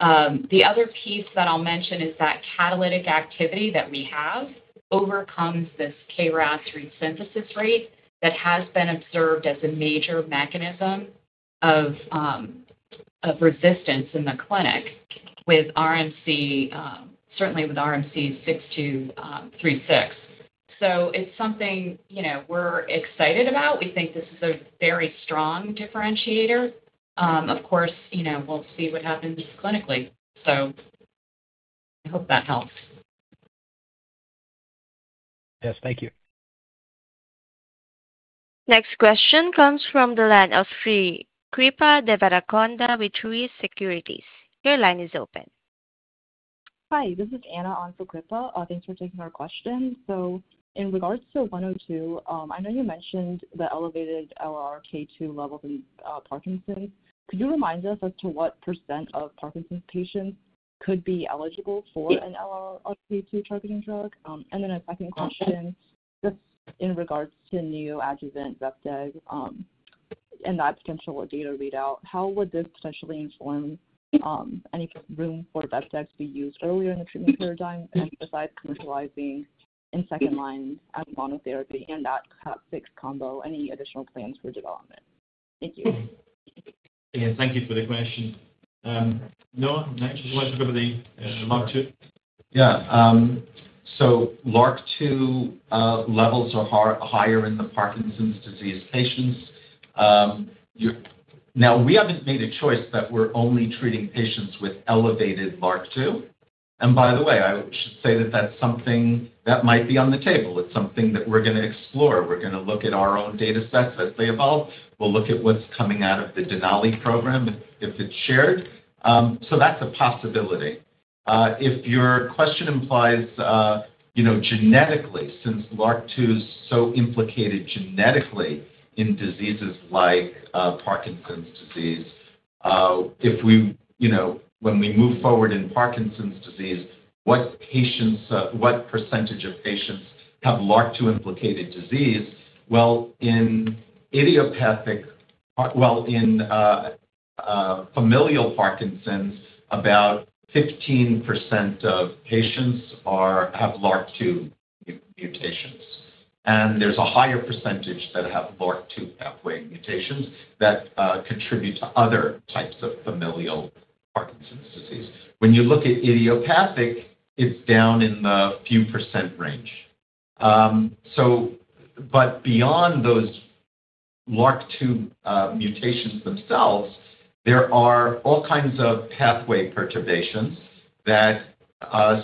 The other piece that I'll mention is that catalytic activity that we have overcomes this KRAS resynthesis rate that has been observed as a major mechanism of resistance in the clinic with RMC, certainly with RMC-6236. It's something we're excited about. We think this is a very strong differentiator. Of course, we'll see what happens clinically. I hope that helps. Yes, thank you. Next question comes from the line of Srikripa Devarakonda with Truist Securities. Your line is open. Hi, this is Anna on for Kripa. Thanks for taking our question. In regards to ARV-102, I know you mentioned the elevated LRRK2 levels in Parkinson's. Could you remind us as to what percent of Parkinson's patients could be eligible for an LRRK2 targeting drug? A second question, just in regards to the neoadjuvant vepdeg and that potential data readout, how would this potentially inform any room for vepdeg to be used earlier in the treatment paradigm, and besides commercializing in second line as monotherapy and that CAP6 combo, any additional plans for development? Thank you. Thank you for the question. Noah, do you want to go to the LRRK2? Yeah. LRRK2 levels are higher in the Parkinson's disease patients. Now, we haven't made a choice that we're only treating patients with elevated LRRK2. By the way, I should say that that's something that might be on the table. It's something that we're going to explore. We're going to look at our own data sets as they evolve. We'll look at what's coming out of the Denali program if it's shared. That's a possibility. If your question implies, you know, genetically, since LRRK2 is so implicated genetically in diseases like Parkinson's disease, when we move forward in Parkinson's disease, what percentage of patients have LRRK2 implicated disease? In familial Parkinson's, about 15% of patients have LRRK2 mutations. There's a higher percentage that have LRRK2 pathway mutations that contribute to other types of familial Parkinson's disease. When you look at idiopathic, it's down in the few percent range. Beyond those LRRK2 mutations themselves, there are all kinds of pathway perturbations that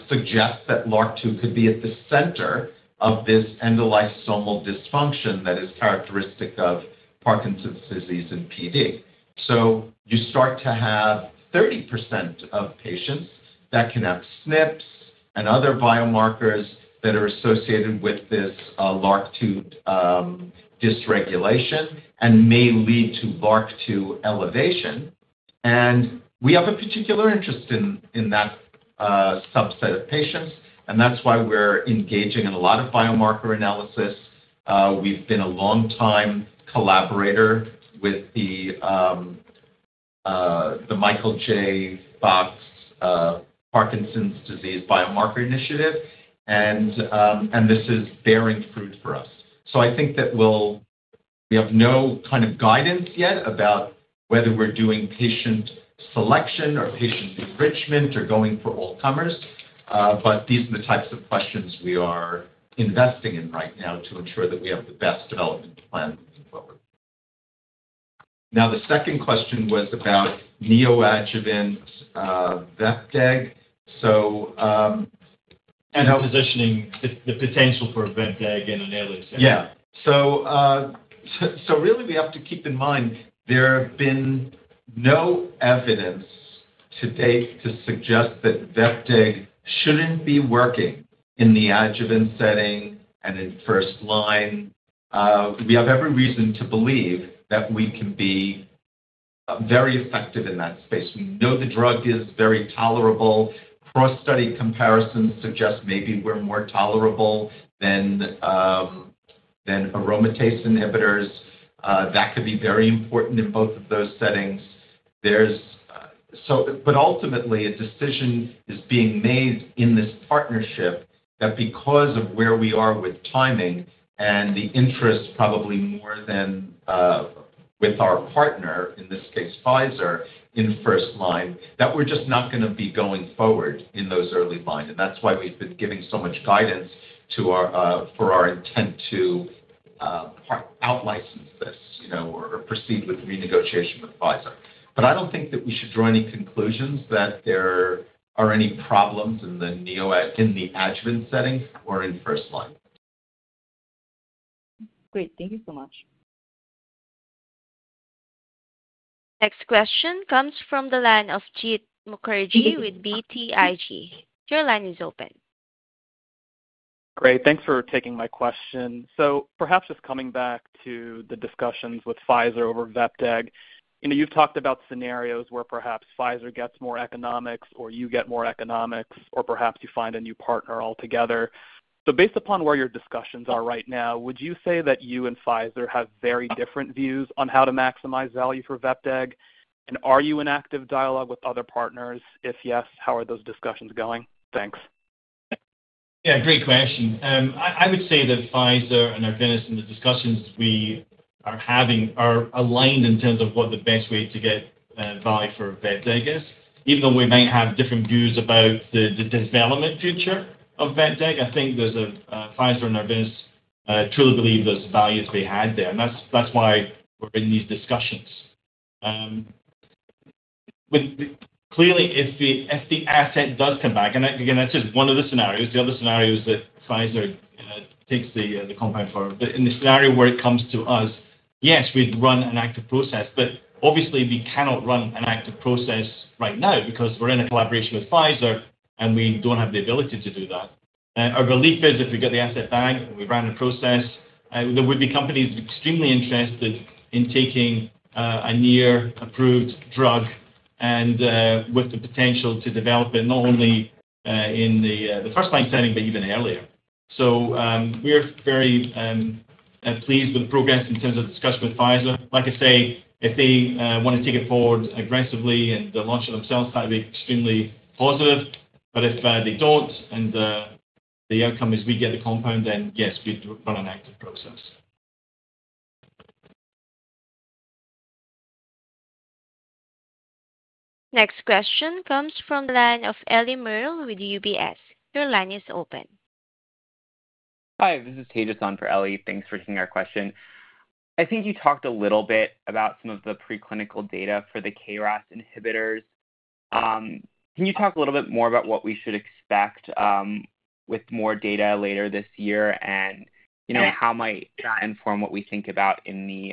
suggest that LRRK2 could be at the center of this endolysosomal dysfunction that is characteristic of Parkinson's disease in PD. You start to have 30% of patients that can have SNPs and other biomarkers that are associated with this LRRK2 dysregulation and may lead to LRRK2 elevation. We have a particular interest in that subset of patients, and that's why we're engaging in a lot of biomarker analysis. We've been a long-time collaborator with the Michael J. Fox Parkinson's Disease biomarker Initiative, and this is bearing fruit for us. I think that we have no kind of guidance yet about whether we're doing patient selection or patient enrichment or going for all comers, but these are the types of questions we are investing in right now to ensure that we have the best development plan. The second question was about neoadjuvant vepdeg. Positioning the potential for vepdeg in an illusion. We have to keep in mind there have been no evidence to date to suggest that vepdeg shouldn't be working in the adjuvant setting and in first line. We have every reason to believe that we can be very effective in that space. We know the drug is very tolerable. Cross-study comparisons suggest maybe we're more tolerable than aromatase inhibitors. That could be very important in both of those settings. Ultimately, a decision is being made in this partnership that because of where we are with timing and the interest probably more than with our partner, in this case, Pfizer, in first line, that we're just not going to be going forward in those early lines. That's why we've been giving so much guidance for our intent to out-license this, you know, or proceed with renegotiation with Pfizer. I don't think that we should draw any conclusions that there are any problems in the adjuvant setting or in first line. Great. Thank you so much. Next question comes from the line of Jeet Mukherjee with BTIG. Your line is open. Great. Thanks for taking my question. Perhaps just coming back to the discussions with Pfizer over vepdeg you've talked about scenarios where perhaps Pfizer gets more economics or you get more economics or perhaps you find a new partner altogether. Based upon where your discussions are right now, would you say that you and Pfizer have very different views on how to maximize value for vepdeg? Are you in active dialogue with other partners? If yes, how are those discussions going? Thanks. Yeah, great question. I would say that Pfizer and our ongoing discussions we are having are aligned in terms of what the best way to get value for vepdeg is. Even though we may have different views about the development future of vepdeg, I think Pfizer and our business truly believe there's value to be had there. That's why we're in these discussions. Clearly, if the asset does come back, and again, that's just one of the scenarios. The other scenario is that Pfizer takes the compound forward. In the scenario where it comes to us, yes, we'd run an active process. Obviously, we cannot run an active process right now because we're in a collaboration with Pfizer and we don't have the ability to do that. Our belief is if we get the asset back and we run a process, there would be companies extremely interested in taking a new approved drug with the potential to develop it not only in the first-line setting, but even earlier. We're very pleased with the progress in terms of discussion with Pfizer. Like I say, if they want to take it forward aggressively and the launch themselves might be extremely positive. If they don't and the outcome is we get a compound, then yes, we run an active process. Next question comes from the line of Ellie Merle with UBS. Your line is open. Hi, this is Tejas on for Ellie. Thanks for taking our question. I think you talked a little bit about some of the preclinical data for the KRAS inhibitors. Can you talk a little bit more about what we should expect with more data later this year, and you know, how might that inform what we think about in the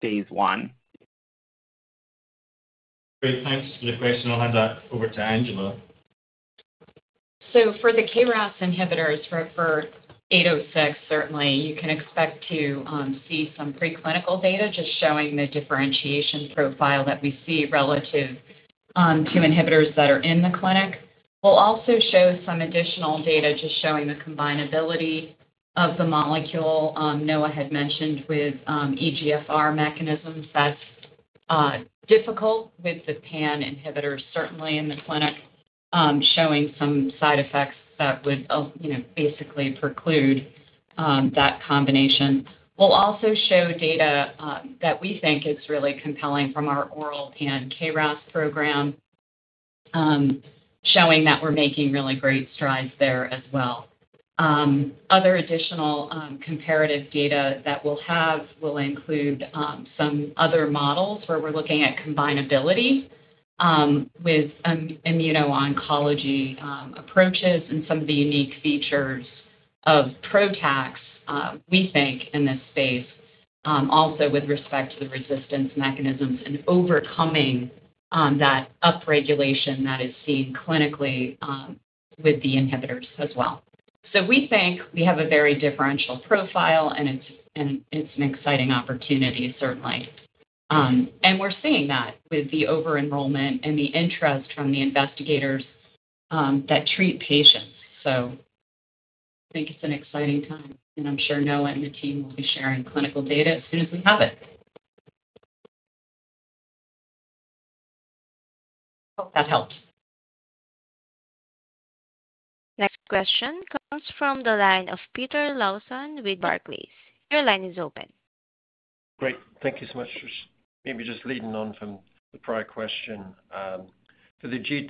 phase I? Great, thanks for the question. I'll hand over to Angela. For the KRAS inhibitors, for ARV-806, certainly, you can expect to see some preclinical data just showing the differentiation profile that we see relative to inhibitors that are in the clinic. We'll also show some additional data just showing the combinability of the molecule. Noah had mentioned with EGFR mechanisms that's difficult with the pan inhibitors, certainly in the clinic, showing some side effects that would basically preclude that combination. We'll also show data that we think is really compelling from our oral and KRAS program, showing that we're making really great strides there as well. Other additional comparative data that we'll have will include some other models where we're looking at combinabilities with immuno-oncology approaches and some of the unique features of PROTACs, we think, in this space, also with respect to the resistance mechanisms and overcoming that upregulation that is seen clinically with the inhibitors as well. We think we have a very differential profile, and it's an exciting opportunity, certainly. We're seeing that with the over-enrollment and the interest from the investigators that treat patients. I think it's an exciting time, and I'm sure Noah and his team will be sharing clinical data as soon as we have it. That helps. Next question comes from the line of Peter Lawson with Barclays. Your line is open. Great. Thank you so much. Maybe just leading on from the prior question. For the KRAS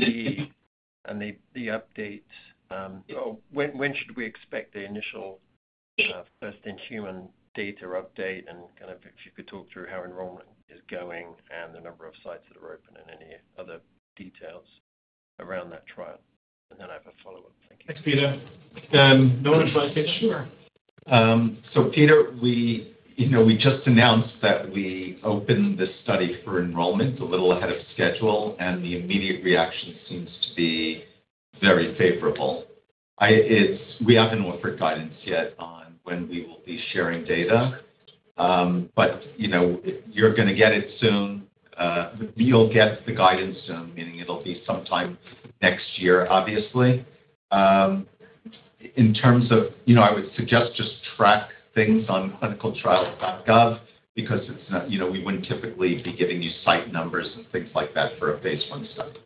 G12D and the updates, when should we expect the initial first-in-human data update? If you could talk through how enrollment is going and the number of sites that are open and any other details around that trial. I have a follow-up. Thanks, Peter. Noah you can go ahead. Sure. Peter, we just announced that we opened this study for enrollment a little ahead of schedule, and the immediate reaction seems to be very favorable. We haven't offered guidance yet on when we will be sharing data. You know you're going to get it soon. You'll get the guidance soon, meaning it'll be sometime next year, obviously. In terms of, I would suggest just track things on clinicaltrials.gov because we wouldn't typically be giving you site numbers and things like that for a phase I study.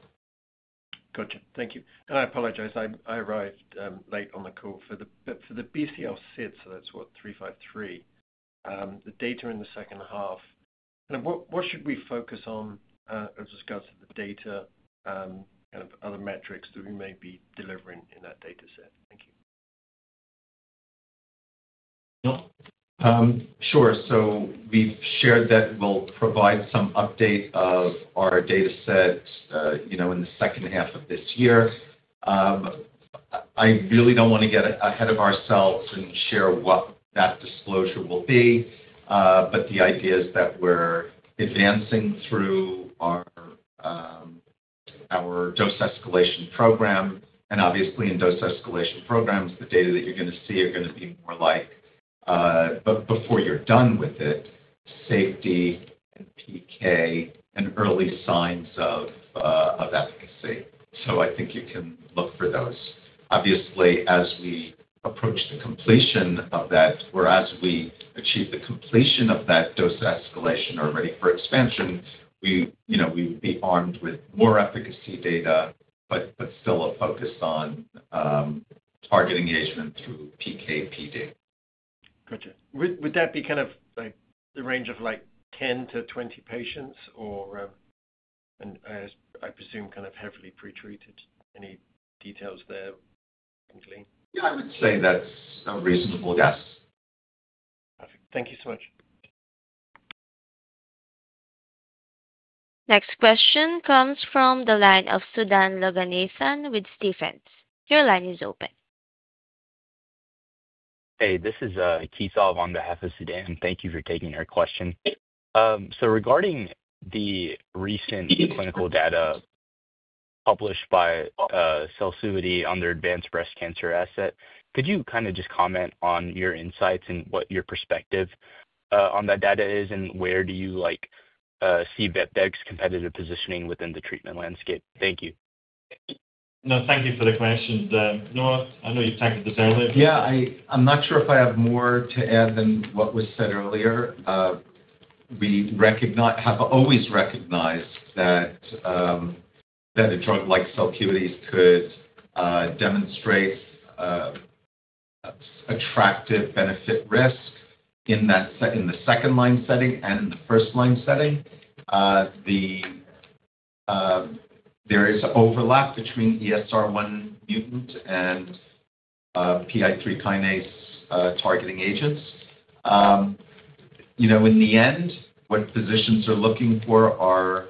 Thank you. I apologize. I arrived late on the call. For the BCL6 set, so that's what, 393, the data in the second half, and then what should we focus on with regards to the data? Kind of other metrics that we may be delivering in that data set? Noah? Sure. We've shared that we'll provide some update of our data sets in the second half of this year. I really don't want to get ahead of ourselves and share what that disclosure will be. The idea is that we're advancing through our dose escalation program. Obviously, in dose escalation programs, the data that you're going to see are going to be more like a buy, before you're done with it, safety, EK, and early signs of efficacy. I think you can look for those. Obviously, as we approach the completion of that, or as we achieve the completion of that dose escalation or are ready for expansion, we would be armed with more efficacy data, but still a focus on target engagement through PK and PD. Gotcha. Would that be kind of like the range of 10-20 patients, or, and I presume kind of heavily pretreated? Any details there? Yeah, I would say that's a reasonable guess. Perfect. Thank you so much. Next question comes from the line of Sudan Loganathan with Stephens. Your line is open. Hey, this is Kesav on behalf of Sudan. Thank you for taking your question. Regarding the recent clinical data published by Celcuity under advanced breast cancer asset, could you kind of just comment on your insights and what your perspective on that data is and where do you like see vepdeg's competitive positioning within the treatment landscape? Thank you. No, thank you for the question. Noah, I know you're tied to the toilet. Yeah, I'm not sure if I have more to add than what was said earlier. We have always recognized that a drug like Celcuity could demonstrate attractive benefit-risk in the second-line setting and in the first-line setting. There is overlap between ESR1 mutant and PI3 kinase targeting agents. You know, in the end, what physicians are looking for are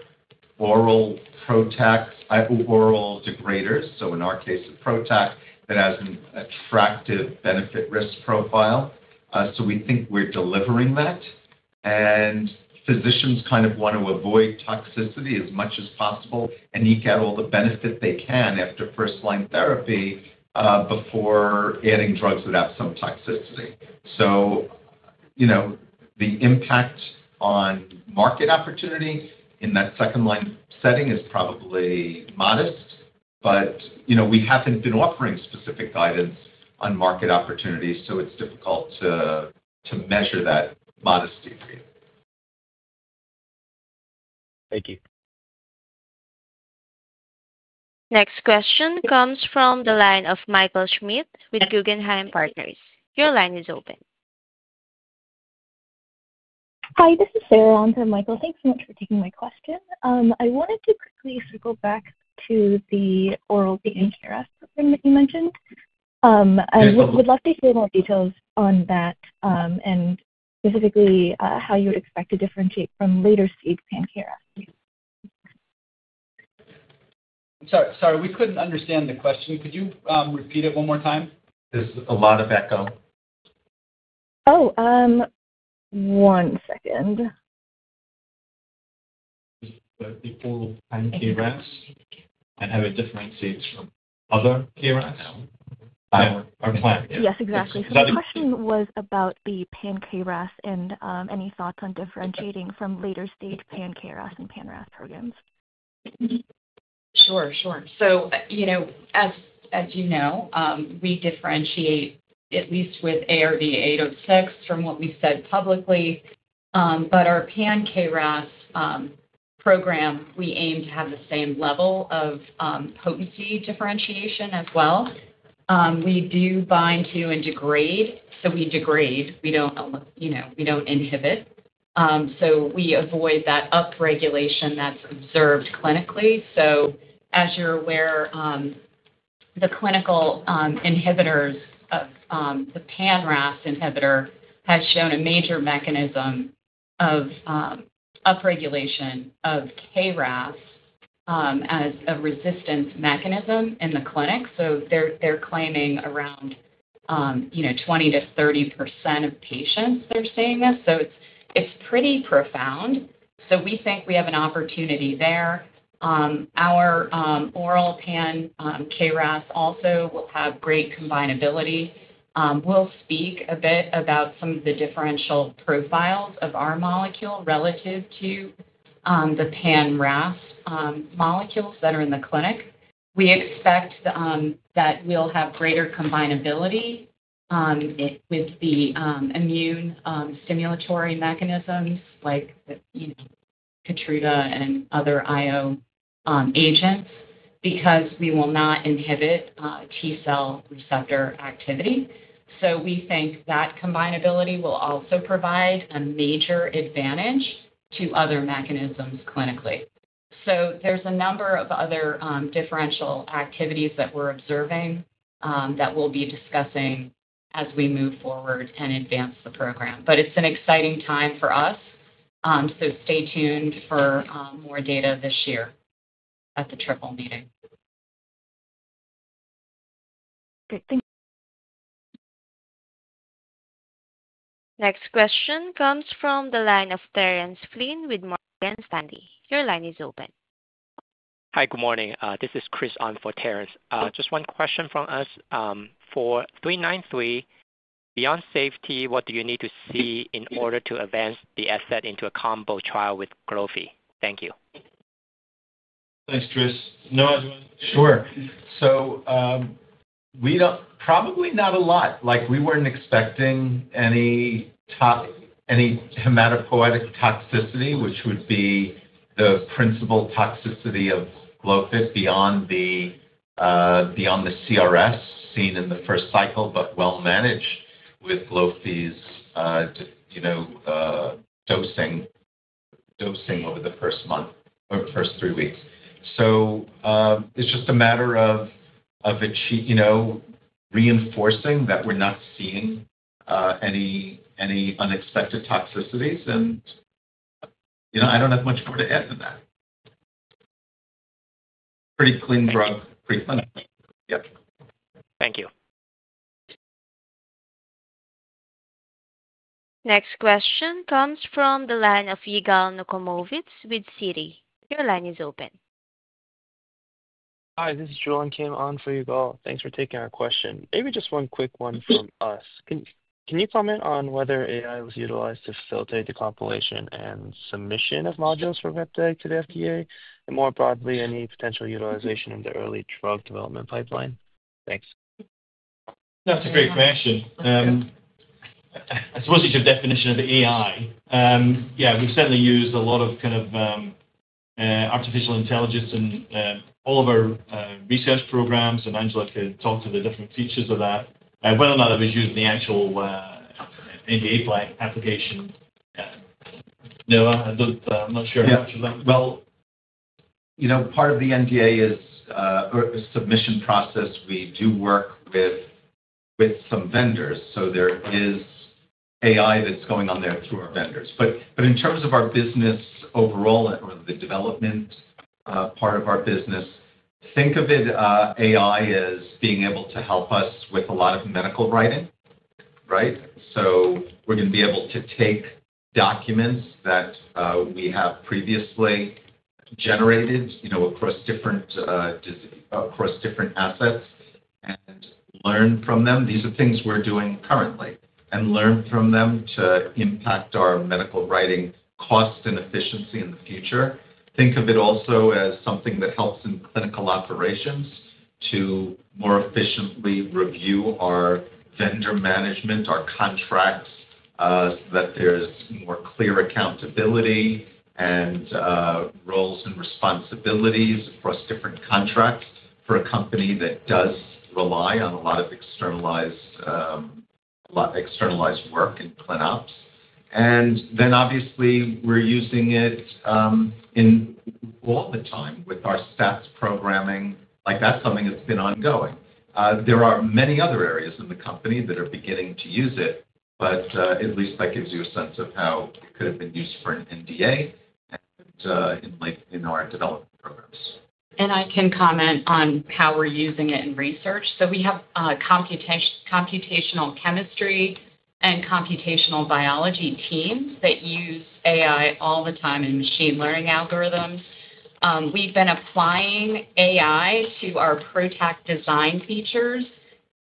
oral PROTAC, hypo-oral degraders. In our case, the PROTAC that has an attractive benefit-risk profile. We think we're delivering that. Physicians kind of want to avoid toxicity as much as possible and get all the benefit they can after first-line therapy before adding drugs that have some toxicity. The impact on market opportunity in that second-line setting is probably modest, but we haven't been offering specific guidance on market opportunities, so it's difficult to measure that modest degree. Thank you. Next question comes from the line of Michael Schmidt with Guggenheim Partners. Your line is open. Hi, this is Sara on to Michael. Thanks so much for taking my question. I wanted to quickly circle back to the oral pain care system that you mentioned. I would love to hear more details on that, and specifically how you would expect to differentiate from later-stage pain care. Sorry, we couldn't understand the question. Could you repeat it one more time? There's a lot of echo. One second. Oral PROTACs, and I would differentiate other PROTACs. Yes, exactly. The question was about the pain care rats and any thoughts on differentiating from later-stage pain care rats and pain rats programs. Sure. As you know, we differentiate at least with ARV-806 from what we said publicly. Our KRAS program, we aim to have the same level of potency differentiation as well. We do bind to and degrade, so we degrade. We don't inhibit. We avoid that upregulation that's observed clinically. As you're aware, the clinical inhibitors of the KRAS inhibitor have shown a major mechanism of upregulation of KRAS as a resistance mechanism in the clinic. They're claiming around 20%-30% of patients they're seeing this. It's pretty profound. We think we have an opportunity there. Our oral KRAS also will have great combinability. We'll speak a bit about some of the differential profiles of our molecule relative to the KRAS molecules that are in the clinic. We expect that we'll have greater combinability with the immune stimulatory mechanisms like Keytruda and other IO agents because we will not inhibit T cell receptor activity. We think that combinability will also provide a major advantage to other mechanisms clinically. There are a number of other differential activities that we're observing that we'll be discussing as we move forward and advance the program. It's an exciting time for us. Stay tuned for more data this year at the triple meeting. Great. Thank you. Next question comes from the line of Terence Flynn with Morgan Stanley. Your line is open. Hi, good morning. This is Chris on for Terence. Just one question from us. For ARV-393, beyond safety, what do you need to see in order to advance the asset into a combo trial with glofi? Thank you. Thanks, Chris. Noah, do you want to? Sure. We don't, probably not a lot. Like we weren't expecting any hematopoietic toxicity, which would be the principal toxicity of glofi beyond the CRS seen in the first cycle, but well managed with glofi's dosing over the first month or first three weeks. It's just a matter of reinforcing that we're not seeing any unexpected toxicities. I don't have much more to add to that. Pretty clean drug treatment. Yeah. Thank you. Next question comes from the line of Yigal Nochomovitz with Citi. Your line is open. Hi, this is Jong Kim on for Yigal. Thanks for taking our question. Maybe just one quick one from us. Can you comment on whether AI was utilized to facilitate the compilation and submission of modules from vepdeg to the FDA? More broadly, any potential utilization in the early drug development pipeline? Thanks. That's a great question. I suppose it's a definition of AI. We've certainly used a lot of kind of artificial intelligence in all of our research programs, and Angela could talk to the different features of that. I wonder whether or not it was used in the actual NDA application. Noah, I'm not sure if I should... Part of the NDA or the submission process, we do work with some vendors. There is AI that's going on there through our vendors. In terms of our business overall or the development part of our business, think of AI as being able to help us with a lot of medical writing, right? We're going to be able to take documents that we have previously generated across different assets and learn from them. These are things we're doing currently and learn from them to impact our medical writing cost and efficiency in the future. Think of it also as something that helps in clinical operations to more efficiently review our vendor management, our contracts, so that there's more clear accountability and roles and responsibilities across different contracts for a company that does rely on a lot of externalized work and cleanups. Obviously, we're using it all the time with our staff's programming. That's something that's been ongoing. There are many other areas in the company that are beginning to use it, but at least that gives you a sense of how it could have been used for an NDA and in our development programs. I can comment on how we're using it in research. We have computational chemistry and computational biology teams that use AI all the time in machine learning algorithms. We've been applying AI to our PROTAC design features.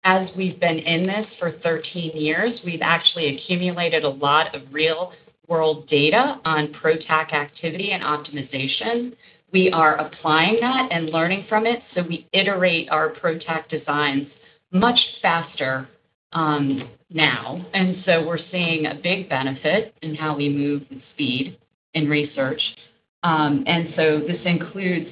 As we've been in this for 13 years, we've actually accumulated a lot of real-world data on PROTAC activity and optimization. We are applying that and learning from it. We iterate our PROTAC design much faster now, and we're seeing a big benefit in how we move with speed in research. This includes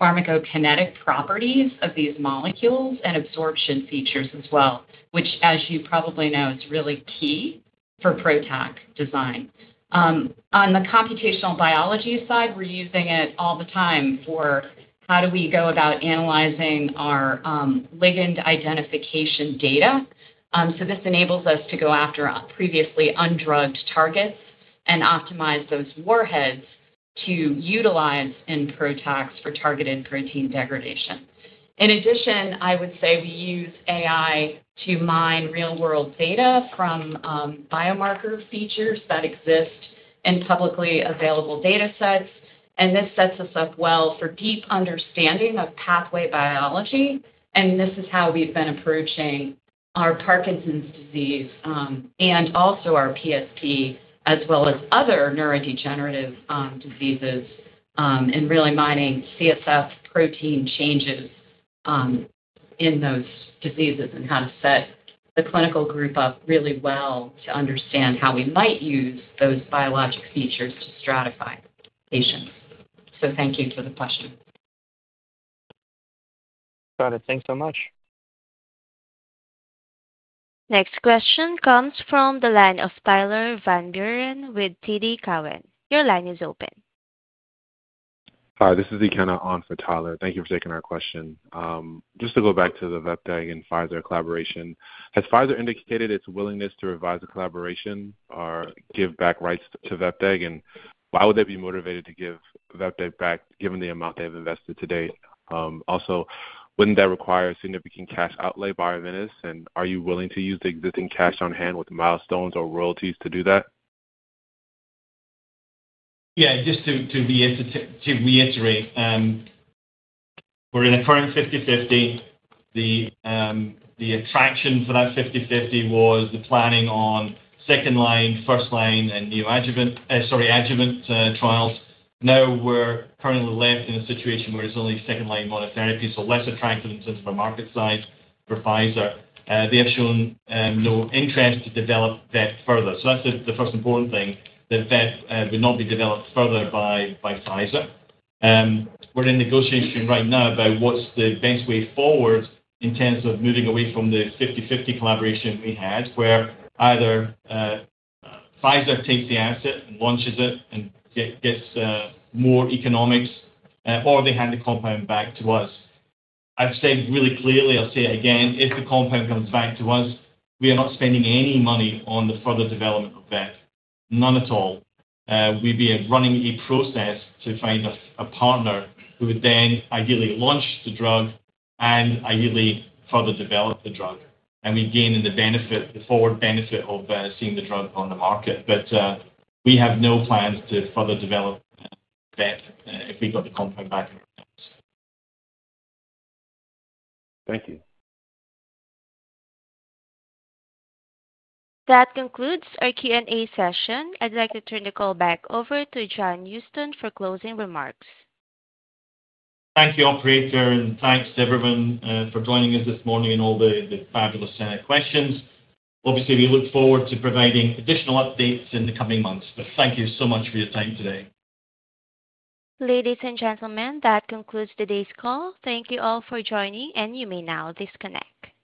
pharmacokinetic properties of these molecules and absorption features as well, which, as you probably know, is really key for PROTAC design. On the computational biology side, we're using it all the time for how we go about analyzing our ligand identification data. This enables us to go after previously undrugged targets and optimize those warheads to utilize in PROTAC for targeted protein degradation. In addition, I would say we use AI to mine real-world data from biomarker features that exist in publicly available data sets. This sets us up well for deep understanding of pathway biology. This is how we've been approaching our Parkinson's disease and also our PSP, as well as other neurodegenerative diseases, and really mining CSF protein changes in those diseases and how to set the clinical group up really well to understand how we might use those biologic features to stratify patients. Thank you for the question. Got it. Thanks so much. Next question comes from the line of Tyler Van Buren with TD Cowen. Your line is open. Hi, this is Deanna on for Tyler. Thank you for taking our question. Just to go back to the vepdeg and Pfizer collaboration, has Pfizer indicated its willingness to revise the collaboration or give back rights to vepdeg? Why would they be motivated to give vepdeg back given the amount they've invested to date? Wouldn't that require a significant cash outlay by Arvinas? Are you willing to use the existing cash on hand with milestones or royalties to do that? Yeah, just to reiterate, we're in a current 50-50. The attractions of that 50-50 was the planning on second-line, first-line, and neoadjuvant, sorry, adjuvant trials. Now we're currently left in a situation where it's only second-line monotherapy, so less attractive in terms of our market size for Pfizer. They have shown no interest to develop that further. That's the first important thing, that that would not be developed further by Pfizer. We're in negotiation right now about what's the best way forward in terms of moving away from the 50-50 collaboration we had where either Pfizer takes the asset and launches it and gets more economics, or they hand the compound back to us. I've said really clearly, I'll say it again, if the compound comes back to us, we are not spending any money on the further development of that. None at all. We'd be running a process to find a partner who would then ideally launch the drug and ideally further develop the drug. Again, in the benefit, the forward benefit of seeing the drug on the market. We have no plans to further develop that if we got the compound back. Thank you. That concludes our Q&A session. I'd like to turn the call back over to John Houston for closing remarks. Thank you, operator, and thanks to everyone for joining us this morning and all the fabulous questions. We look forward to providing additional updates in the coming months. Thank you so much for your time today. Ladies and gentlemen, that concludes today's call. Thank you all for joining, and you may now disconnect.